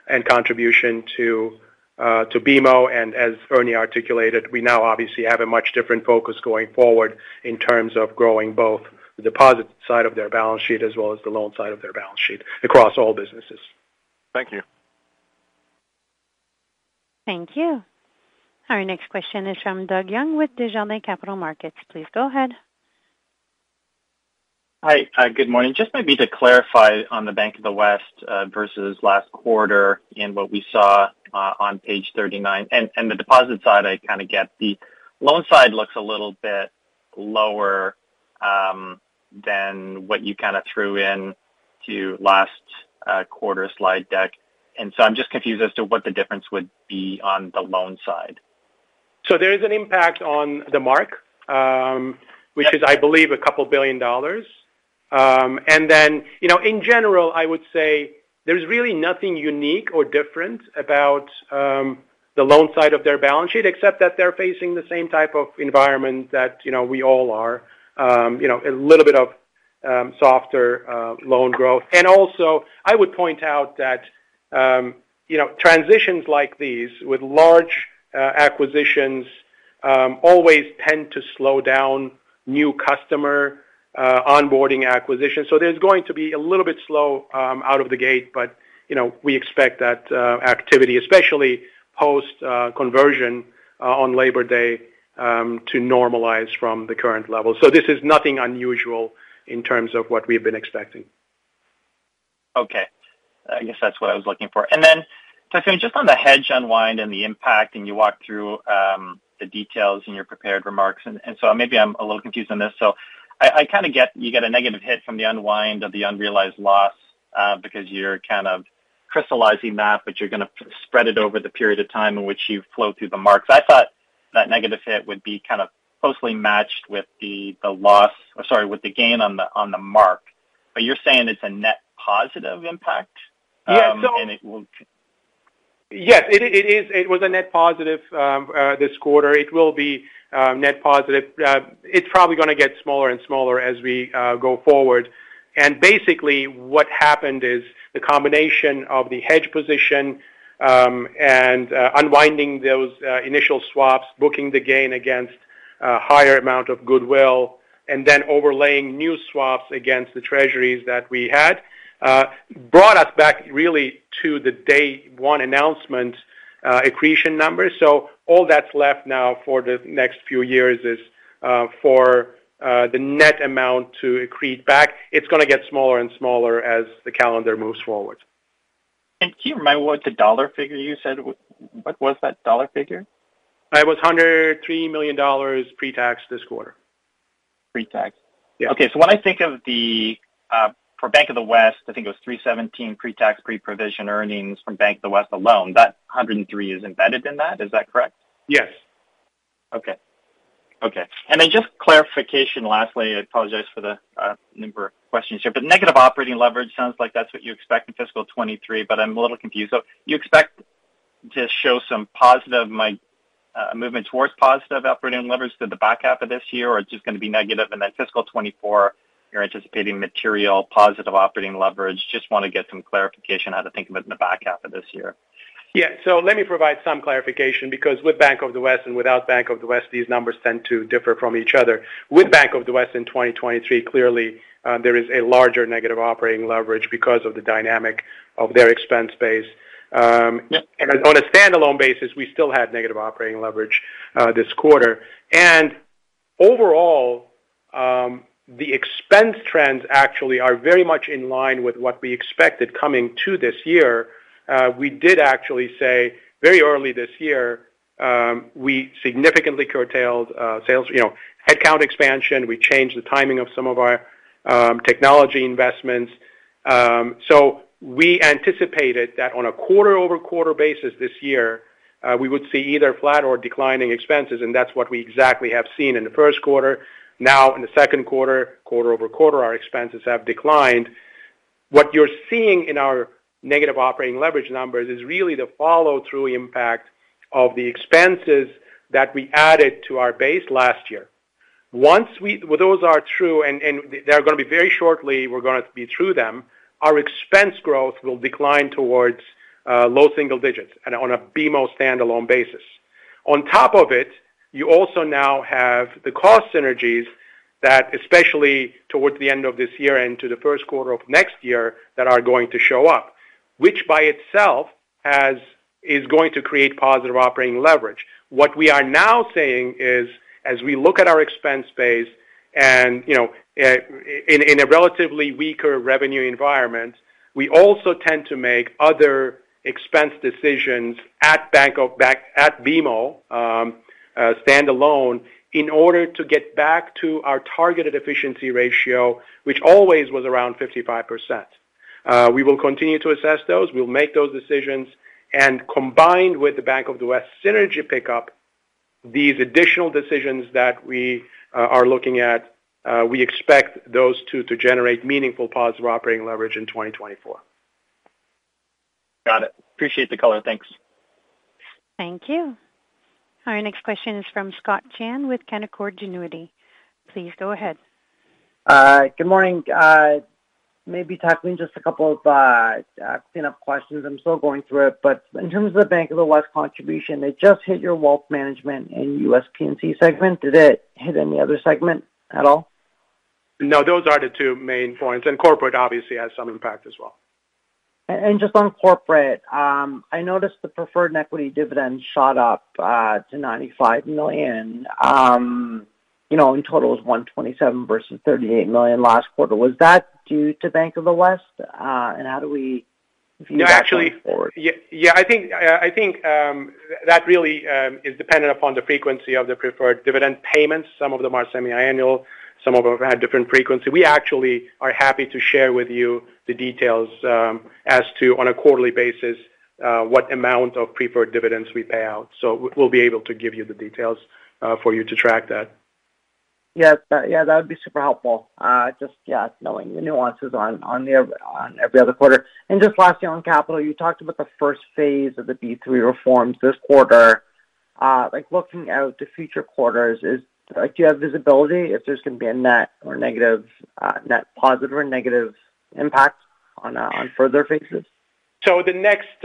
and contribution to BMO. As Ernie articulated, we now obviously have a much different focus going forward in terms of growing both the deposit side of their balance sheet as well as the loan side of their balance sheet across all businesses. Thank you. Thank you. Our next question is from Doug Young with Desjardins Capital Markets. Please go ahead. Hi. Good morning. Just maybe to clarify on the Bank of the West versus last quarter and what we saw on page 39. The deposit side, I kind of get. The loan side looks a little bit lower than what you kind of threw in to last quarter slide deck, I'm just confused as to what the difference would be on the loan side. There is an impact on the mark, which is, I believe, a couple billion dollars. Then, you know, in general, I would say there's really nothing unique or different about the loan side of their balance sheet except that they're facing the same type of environment that, you know, we all are. You know, a little bit of softer loan growth. Also I would point out that, you know, transitions like these with large acquisitions always tend to slow down new customer onboarding acquisitions. There's going to be a little bit slow out of the gate, but, you know, we expect that activity, especially post conversion on Labour Day, to normalize from the current level. This is nothing unusual in terms of what we've been expecting. Okay. I guess that's what I was looking for. Tayfun just on the hedge unwind and the impact, and you walked through the details in your prepared remarks. Maybe I'm a little confused on this. I kind of get you get a negative hit from the unwind of the unrealized loss, because you're kind of crystallizing that, but you're gonna spread it over the period of time in which you flow through the marks. I thought that negative hit would be kind of closely matched with the loss or sorry, with the gain on the, on the mark. You're saying it's a net positive impact. Yeah. It. Yes. It is. It was a net positive this quarter. It will be net positive. It's probably gonna get smaller and smaller as we go forward. Basically what happened is the combination of the hedge position and unwinding those initial swaps, booking the gain against a higher amount of goodwill, and then overlaying new swaps against the treasuries that we had, brought us back really to the day one announcement accretion numbers. All that's left now for the next few years is for the net amount to accrete back. It's gonna get smaller and smaller as the calendar moves forward. Do you remember what the dollar figure you said? What was that dollar figure? It was $103 million pre-tax this quarter. Pre-tax? Yeah. When I think of the for Bank of the West, I think it was $317 pre-tax, pre-provision earnings from Bank of the West alone. That $103 million is embedded in that. Is that correct? Yes. Okay. Okay. Just clarification lastly, I apologize for the number of questions here, but negative operating leverage sounds like that's what you expect in fiscal 2023, but I'm a little confused. You expect to show some positive movement towards positive operating leverage through the back half of this year, or it's just gonna be negative. Then fiscal 2024, you're anticipating material positive operating leverage. Just wanna get some clarification how to think of it in the back half of this year. Let me provide some clarification because with Bank of the West and without Bank of the West, these numbers tend to differ from each other. With Bank of the West in 2023, clearly, there is a larger negative operating leverage because of the dynamic of their expense base. Yeah. On a standalone basis, we still had negative operating leverage this quarter. Overall, the expense trends actually are very much in line with what we expected coming to this year. We did actually say very early this year, we significantly curtailed sales, you know, headcount expansion. We changed the timing of some of our technology investments. We anticipated that on a quarter-over-quarter basis this year, we would see either flat or declining expenses, and that's what we exactly have seen in the first quarter. In the second quarter-over-quarter, our expenses have declined. What you're seeing in our negative operating leverage numbers is really the follow-through impact of the expenses that we added to our base last year. Once those are through, and they're gonna be very shortly we're gonna be through them, our expense growth will decline towards low single digits and on a BMO standalone basis. On top of it, you also now have the cost synergies that especially towards the end of this year and to the first quarter of next year that are going to show up. Which by itself is going to create positive operating leverage. What we are now saying is as we look at our expense base and, you know, in a relatively weaker revenue environment, we also tend to make other expense decisions at BMO standalone in order to get back to our targeted efficiency ratio, which always was around 55%. We will continue to assess those. We'll make those decisions. Combined with the Bank of the West synergy pickup, these additional decisions that we are looking at, we expect those two to generate meaningful positive operating leverage in 2024. Got it. Appreciate the color. Thanks. Thank you. Our next question is from Scott Chan with Canaccord Genuity. Please go ahead. Good morning. Maybe tackling just a couple of clean up questions. I'm still going through it, in terms of the Bank of the West contribution, it just hit your Wealth Management and U.S. P&C segment. Did it hit any other segment at all? No, those are the two main points, and corporate obviously has some impact as well. Just on corporate, I noticed the preferred equity dividend shot up, to 95 million, you know, in total it was 127 million versus 38 million last quarter. Was that due to Bank of the West? How do we view that going forward? Yeah, I think, that really is dependent upon the frequency of the preferred dividend payments. Some of them are semi-annual. Some of them have different frequency. We actually are happy to share with you the details as to on a quarterly basis, what amount of preferred dividends we pay out. We'll be able to give you the details for you to track that. Yes. Yeah, that would be super helpful. just, knowing the nuances on the, on every other quarter. Just lastly on capital, you talked about the first phase of the Basel III reforms this quarter. like looking out to future quarters do you have visibility if there's going to be a net or negative, net positive or negative impact on further phases? The next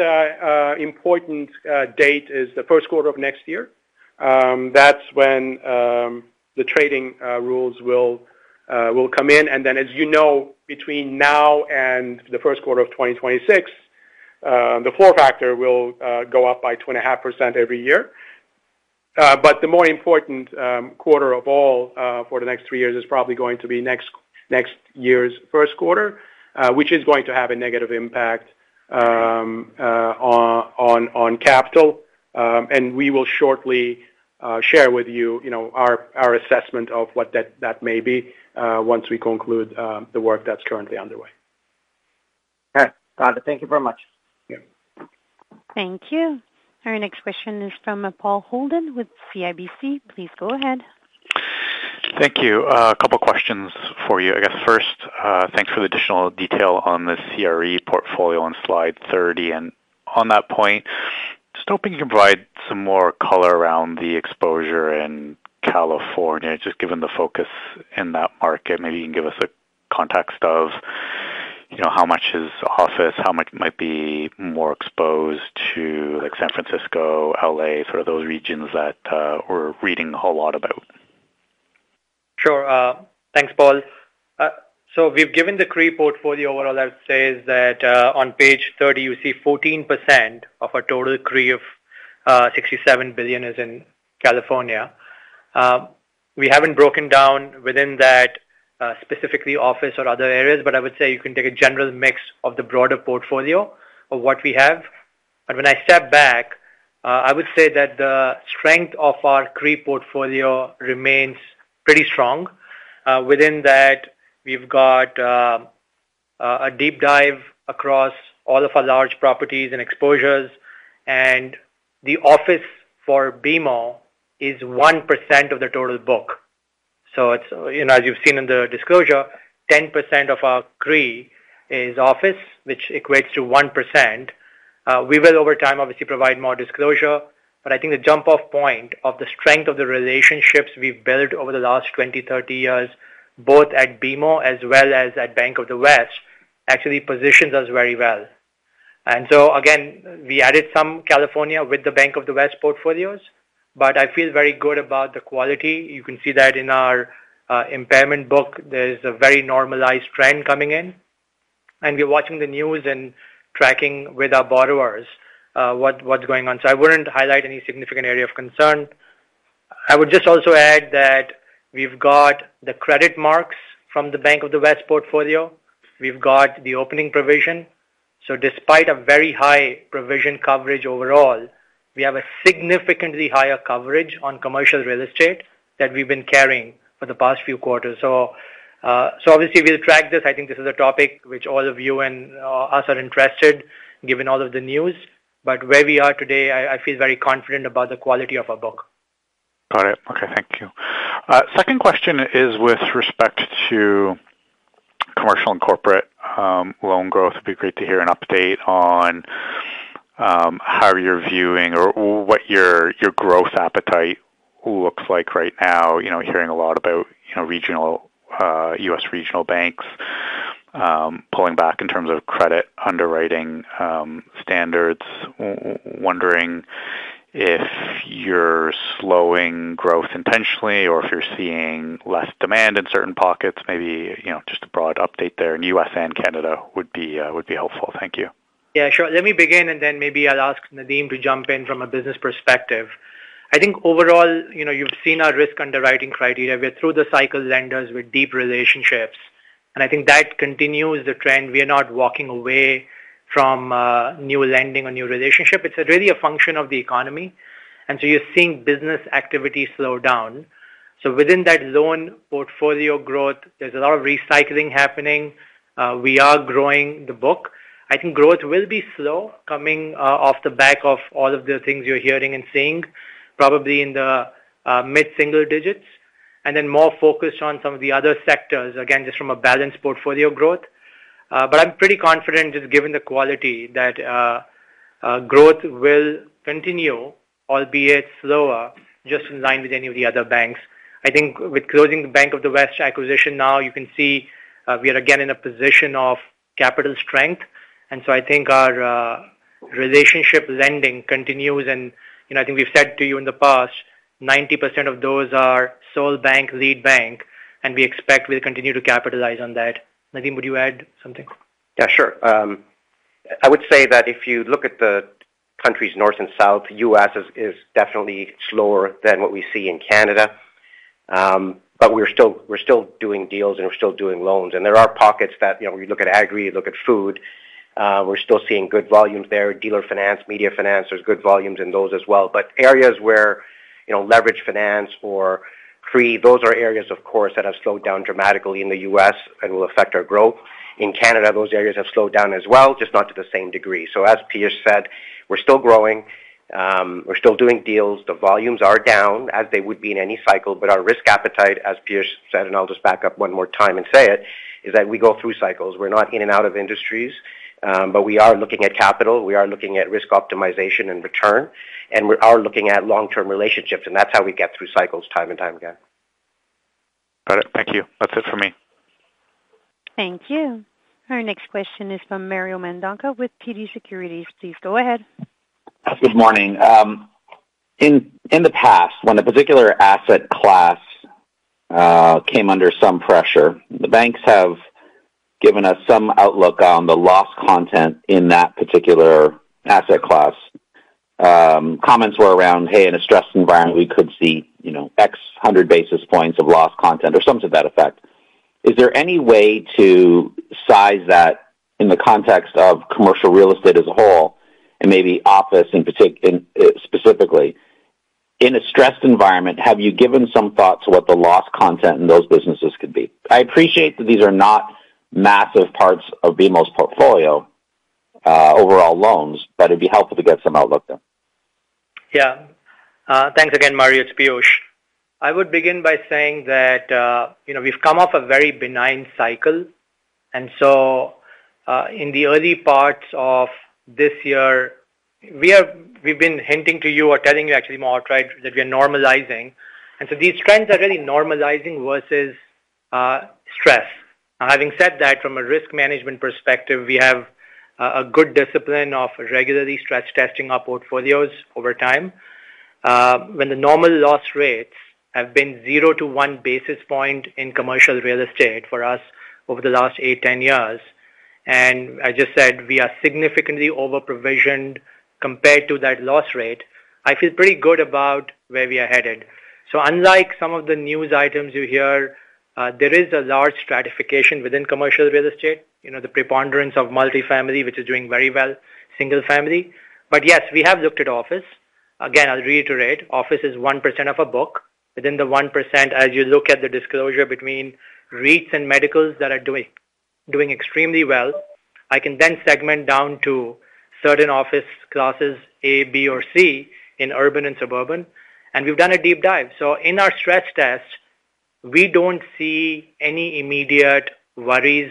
important date is the first quarter of next year. That's when the trading rules will come in. As you know, between now and the first quarter of 2026, the floor factor will go up by 2.5% every year. The more important quarter of all for the next three years is probably going to be next year's first quarter, which is going to have a negative impact on capital. We will shortly share with you know, our assessment of what that may be once we conclude the work that's currently underway. All right. Got it. Thank you very much. Yeah. Thank you. Our next question is from Paul Holden with CIBC. Please go ahead. Thank you. A couple of questions for you. I guess first, thanks for the additional detail on the CRE portfolio on slide 30. On that point, just hoping you can provide some more color around the exposure in California, just given the focus in that market. Maybe you can give us a context of, you know, how much is office, how much might be more exposed to like San Francisco, L.A., sort of those regions that we're reading a whole lot about. Sure. Thanks, Paul. We've given the CRE portfolio overall, I would say is that, on page 30, you see 14% of our total CRE of, 67 billion is in California. We haven't broken down within that, specifically office or other areas, but I would say you can take a general mix of the broader portfolio of what we have. When I step back, I would say that the strength of our CRE portfolio remains pretty strong. Within that, we've got, a deep dive across all of our large properties and exposures, and the office for BMO is 1% of the total book. As you've seen in the disclosure, 10% of our CRE is office, which equates to 1%. We will over time obviously provide more disclosure. I think the jump off point of the strength of the relationships we've built over the last 20 years, 30 years, both at BMO as well as at Bank of the West, actually positions us very well. Again, we added some California with the Bank of the West portfolios. I feel very good about the quality. You can see that in our impairment book, there's a very normalized trend coming in. We're watching the news and tracking with our borrowers, what's going on. I wouldn't highlight any significant area of concern. I would just also add that we've got the credit marks from the Bank of the West portfolio. We've got the opening provision. Despite a very high provision coverage overall, we have a significantly higher coverage on commercial real estate that we've been carrying for the past few quarters. Obviously we'll track this. I think this is a topic which all of you and us are interested given all of the news. Where we are today, I feel very confident about the quality of our book. Got it. Okay. Thank you. Second question is with respect to commercial and corporate loan growth. It'd be great to hear an update on how you're viewing or what your growth appetite looks like right now. You know, hearing a lot about, you know, regional U.S. regional banks pulling back in terms of credit underwriting standards. Wondering if you're slowing growth intentionally or if you're seeing less demand in certain pockets, maybe, you know, just a broad update there in U.S. and Canada would be helpful. Thank you. Yeah, sure. Let me begin, then maybe I'll ask Nadeem to jump in from a business perspective. I think overall, you know, you've seen our risk underwriting criteria. We're through the cycle lenders with deep relationships. I think that continues the trend. We are not walking away from new lending or new relationship. It's really a function of the economy. You're seeing business activity slow down. Within that loan portfolio growth, there's a lot of recycling happening. We are growing the book. I think growth will be slow coming off the back of all of the things you're hearing and seeing probably in the mid-single digits, then more focused on some of the other sectors, again, just from a balanced portfolio growth. I'm pretty confident just given the quality that growth will continue, albeit slower, just in line with any of the other banks. I think with closing the Bank of the West acquisition now you can see, we are again in a position of capital strength. I think our relationship lending continues. You know, I think we've said to you in the past, 90% of those are sole bank, lead bank, and we expect we'll continue to capitalize on that. Nadeem, would you add something? Yeah, sure. I would say that if you look at the countries north and south, U.S. is definitely slower than what we see in Canada. We're still doing deals and we're still doing loans. There are pockets that, you know, when you look at agri, you look at food, we're still seeing good volumes there. Dealer finance, media finance, there's good volumes in those as well. Areas where, you know, leverage finance or free, those are areas of course that have slowed down dramatically in the U.S. and will affect our growth. In Canada, those areas have slowed down as well, just not to the same degree. As Piyush said, we're still growing, we're still doing deals. The volumes are down as they would be in any cycle. Our risk appetite, as Piyush said, and I'll just back up one more time and say it, is that we go through cycles. We're not in and out of industries, but we are looking at capital, we are looking at risk optimization and return, and we are looking at long-term relationships, and that's how we get through cycles time and time again. Got it. Thank you. That's it for me. Thank you. Our next question is from Mario Mendonca with TD Securities. Please go ahead. Good morning. In the past, when a particular asset class came under some pressure, the banks have given us some outlook on the loss content in that particular asset class. Comments were around, hey, in a stressed environment we could see, you know, x hundred basis points of loss content or something to that effect. Is there any way to size that in the context of commercial real estate as a whole and maybe office in specifically? In a stressed environment, have you given some thought to what the loss content in those businesses could be? I appreciate that these are not massive parts of BMO's portfolio, overall loans, but it'd be helpful to get some outlook there. Yeah. Thanks again, Mario. It's Piyush. I would begin by saying that, you know, we've come off a very benign cycle. In the early parts of this year, we've been hinting to you or telling you actually more outright that we are normalizing. These trends are really normalizing versus stress. Having said that, from a risk management perspective, we have a good discipline of regularly stress testing our portfolios over time. When the normal loss rates have been zero to one basis point in commercial real estate for us over the last 8, 10 years, and I just said we are significantly over-provisioned compared to that loss rate, I feel pretty good about where we are headed. Unlike some of the news items you hear, there is a large stratification within commercial real estate, you know, the preponderance of multifamily, which is doing very well, single family. Yes, we have looked at office. Again, I'll reiterate, office is 1% of a book. Within the 1%, as you look at the disclosure between REITs and medicals that are doing extremely well, I can then segment down to certain office classes A, B, or C in urban and suburban, and we've done a deep dive. In our stress test, we don't see any immediate worries,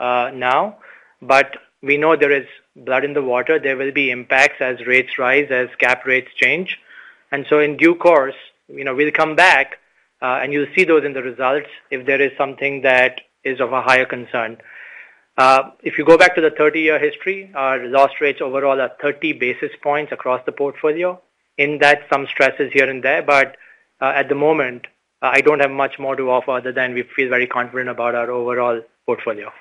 now, but we know there is blood in the water. There will be impacts as rates rise, as cap rates change. In due course, you know, we'll come back, and you'll see those in the results if there is something that is of a higher concern. If you go back to the 30-year history, our loss rates overall are 30 basis points across the portfolio. In that, some stresses here and there. At the moment I don't have much more to offer other than we feel very confident about our overall portfolio.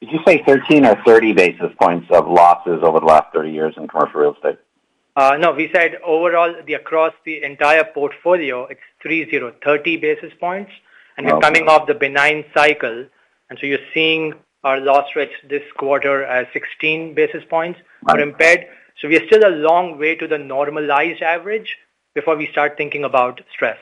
Did you say 13 basis points or 30 basis points of losses over the last 30 years in commercial real estate? No. We said overall across the entire portfolio, it's 30 basis points. Okay. We're coming off the benign cycle, you're seeing our loss rates this quarter at 16 basis points are impaired. We are still a long way to the normalized average before we start thinking about stress.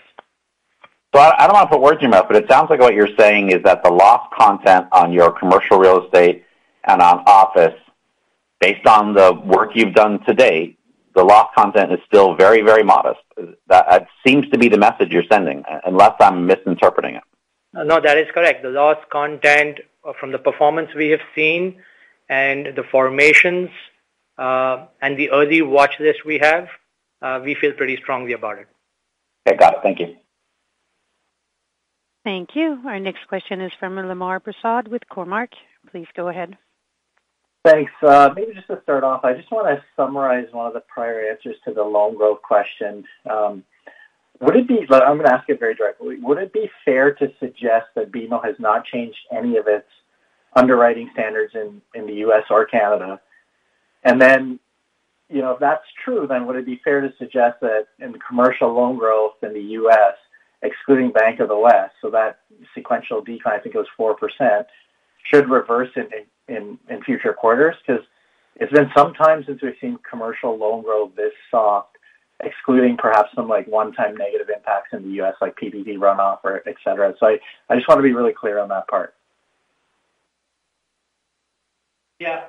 I don't want to put words in your mouth, but it sounds like what you're saying is that the loss content on your commercial real estate and on office, based on the work you've done to date, the loss content is still very, very modest. That seems to be the message you're sending, unless I'm misinterpreting it. No, that is correct. The loss content from the performance we have seen and the formations, and the early watch list we have, we feel pretty strongly about it. Okay. Got it. Thank you. Thank you. Our next question is from Lemar Persaud with Cormark. Please go ahead. Thanks. Maybe just to start off, I just wanna summarize one of the prior answers to the long growth question. I'm gonna ask it very directly. Would it be fair to suggest that BMO has not changed any of its underwriting standards in the U.S. or Canada? You know, if that's true, then would it be fair to suggest that in commercial loan growth in the U.S. excluding Bank of the West, so that sequential decline, I think it was 4%, should reverse in future quarters? 'Cause it's been some time since we've seen commercial loan growth this soft, excluding perhaps some like one-time negative impacts in the U.S. like P&C runoff or et cetera. I just wanna be really clear on that part. Yeah.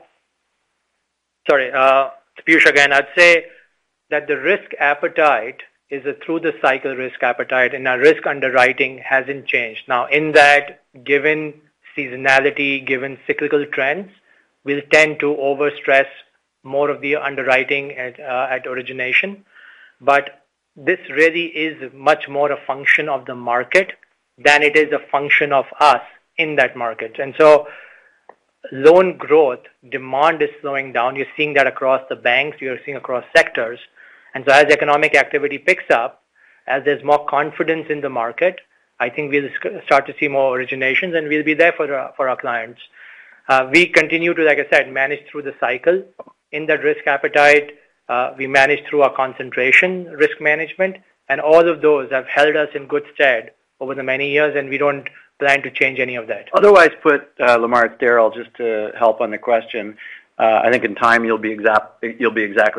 Sorry, it's Piyush again. I'd say that the risk appetite is a through the cycle risk appetite, and our risk underwriting hasn't changed. Now in that, given seasonality, given cyclical trends, we'll tend to overstress more of the underwriting at origination. This really is much more a function of the market than it is a function of us in that market. Loan growth demand is slowing down. You're seeing that across the banks, you're seeing across sectors. As economic activity picks up, as there's more confidence in the market, I think we'll start to see more originations, and we'll be there for our clients. We continue to, like I said, manage through the cycle. In that risk appetite, we manage through our concentration risk management. All of those have held us in good stead over the many years. We don't plan to change any of that. Otherwise put, Lemar, it's Darryl, just to help on the question. I think in time you'll be exactly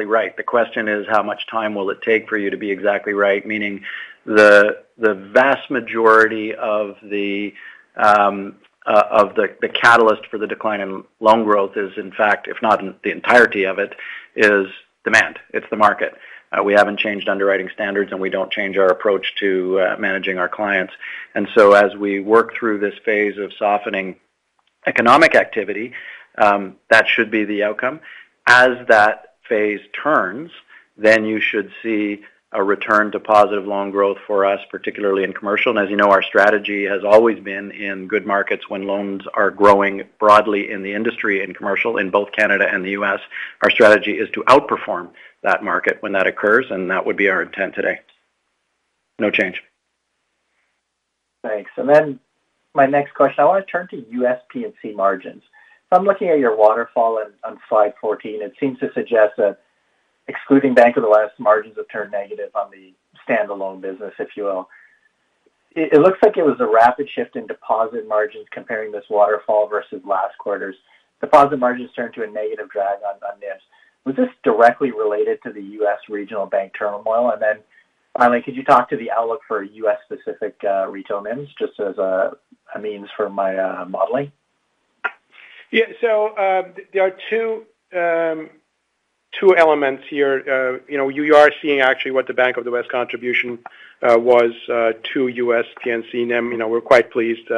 right. The question is how much time will it take for you to be exactly right, meaning the vast majority of the catalyst for the decline in loan growth is in fact, if not the entirety of it, is demand. It's the market. We haven't changed underwriting standards, we don't change our approach to managing our clients. As we work through this phase of softening economic activity, that should be the outcome. As that phase turns, you should see a return to positive loan growth for us, particularly in commercial. As you know, our strategy has always been in good markets when loans are growing broadly in the industry, in commercial, in both Canada and the U.S. Our strategy is to outperform that market when that occurs, and that would be our intent today. No change. Thanks. My next question, I wanna turn to U.S. P&C margins. I'm looking at your waterfall on slide 14. It seems to suggest that excluding Bank of the West margins have turned negative on the standalone business, if you will. It looks like it was a rapid shift in deposit margins comparing this waterfall versus last quarter's. Deposit margins turned to a negative drag on this. Was this directly related to the U.S. regional bank turmoil? Finally, could you talk to the outlook for U.S. specific retail NIMs, just as a means for my modeling? Yeah. There are two elements here. You know, you are seeing actually what the Bank of the West contribution was to U.S. P&C NIM. You know, we're quite pleased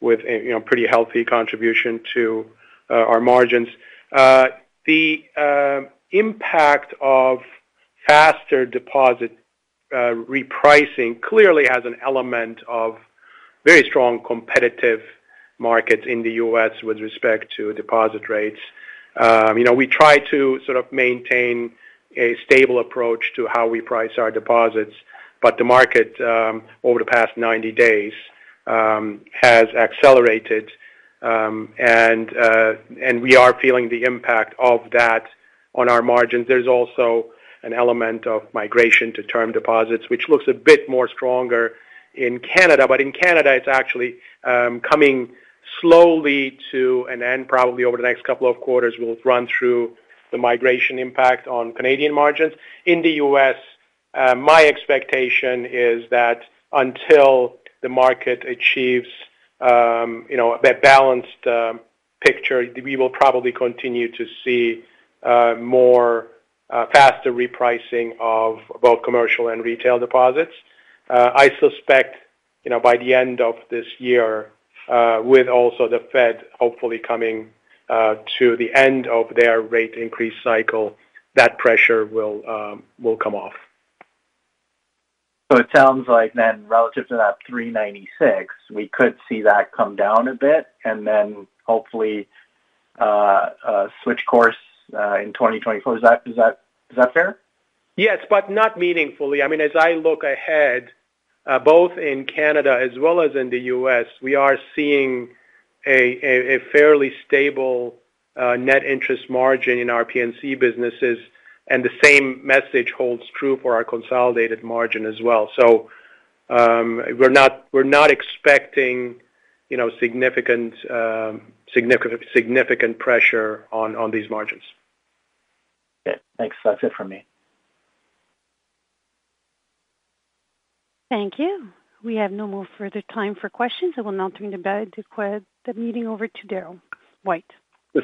with a, you know, pretty healthy contribution to our margins. The impact of faster deposit repricing clearly has an element of very strong competitive markets in the U.S. with respect to deposit rates. You know, we try to sort of maintain a stable approach to how we price our deposits. The market over the past 90 days has accelerated, and we are feeling the impact of that on our margins. There's also an element of migration to term deposits, which looks a bit more stronger in Canada. In Canada, it's actually coming slowly to an end. Probably over the next couple of quarters, we'll run through the migration impact on Canadian margins. In the U.S., my expectation is that until the market achieves, you know, that balanced picture, we will probably continue to see more faster repricing of both commercial and retail deposits. I suspect, you know, by the end of this year, with also the Fed hopefully coming to the end of their rate increase cycle, that pressure will come off. It sounds like relative to that 396, we could see that come down a bit and then hopefully, switch course in 2024. Is that fair? Yes, not meaningfully. I mean, as I look ahead, both in Canada as well as in the U.S., we are seeing a fairly stable net interest margin in our P&C businesses, the same message holds true for our consolidated margin as well. We're not expecting, you know, significant pressure on these margins. Okay, thanks. That's it for me. Thank you. We have no more further time for questions. I will now turn the meeting over to Darryl White.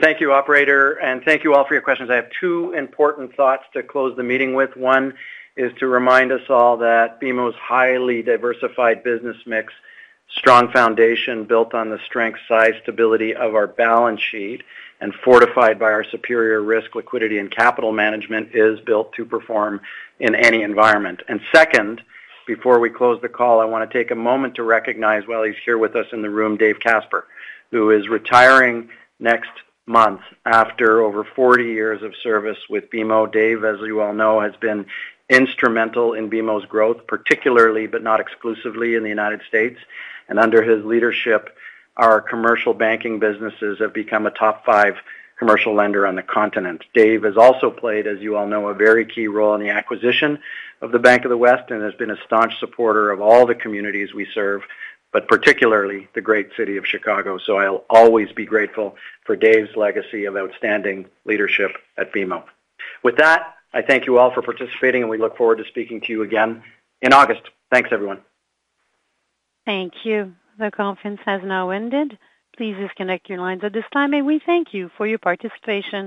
Thank you, operator. Thank you all for your questions. I have two important thoughts to close the meeting with. One is to remind us all that BMO's highly diversified business mix, strong foundation built on the strength, size, stability of our balance sheet and fortified by our superior risk liquidity and capital management, is built to perform in any environment. Second, before we close the call, I wanna take a moment to recognize while he's here with us in the room, Dave Casper, who is retiring next month after over 40 years of service with BMO. Dave, as you all know, has been instrumental in BMO's growth, particularly but not exclusively in the U.S. Under his leadership, our Commercial Banking businesses have become a top five commercial lender on the continent. Dave has also played, as you all know, a very key role in the acquisition of the Bank of the West and has been a staunch supporter of all the communities we serve, but particularly the great city of Chicago. I'll always be grateful for Dave's legacy of outstanding leadership at BMO. With that, I thank you all for participating, and we look forward to speaking to you again in August. Thanks, everyone. Thank you. The conference has now ended. Please disconnect your lines at this time. We thank you for your participation.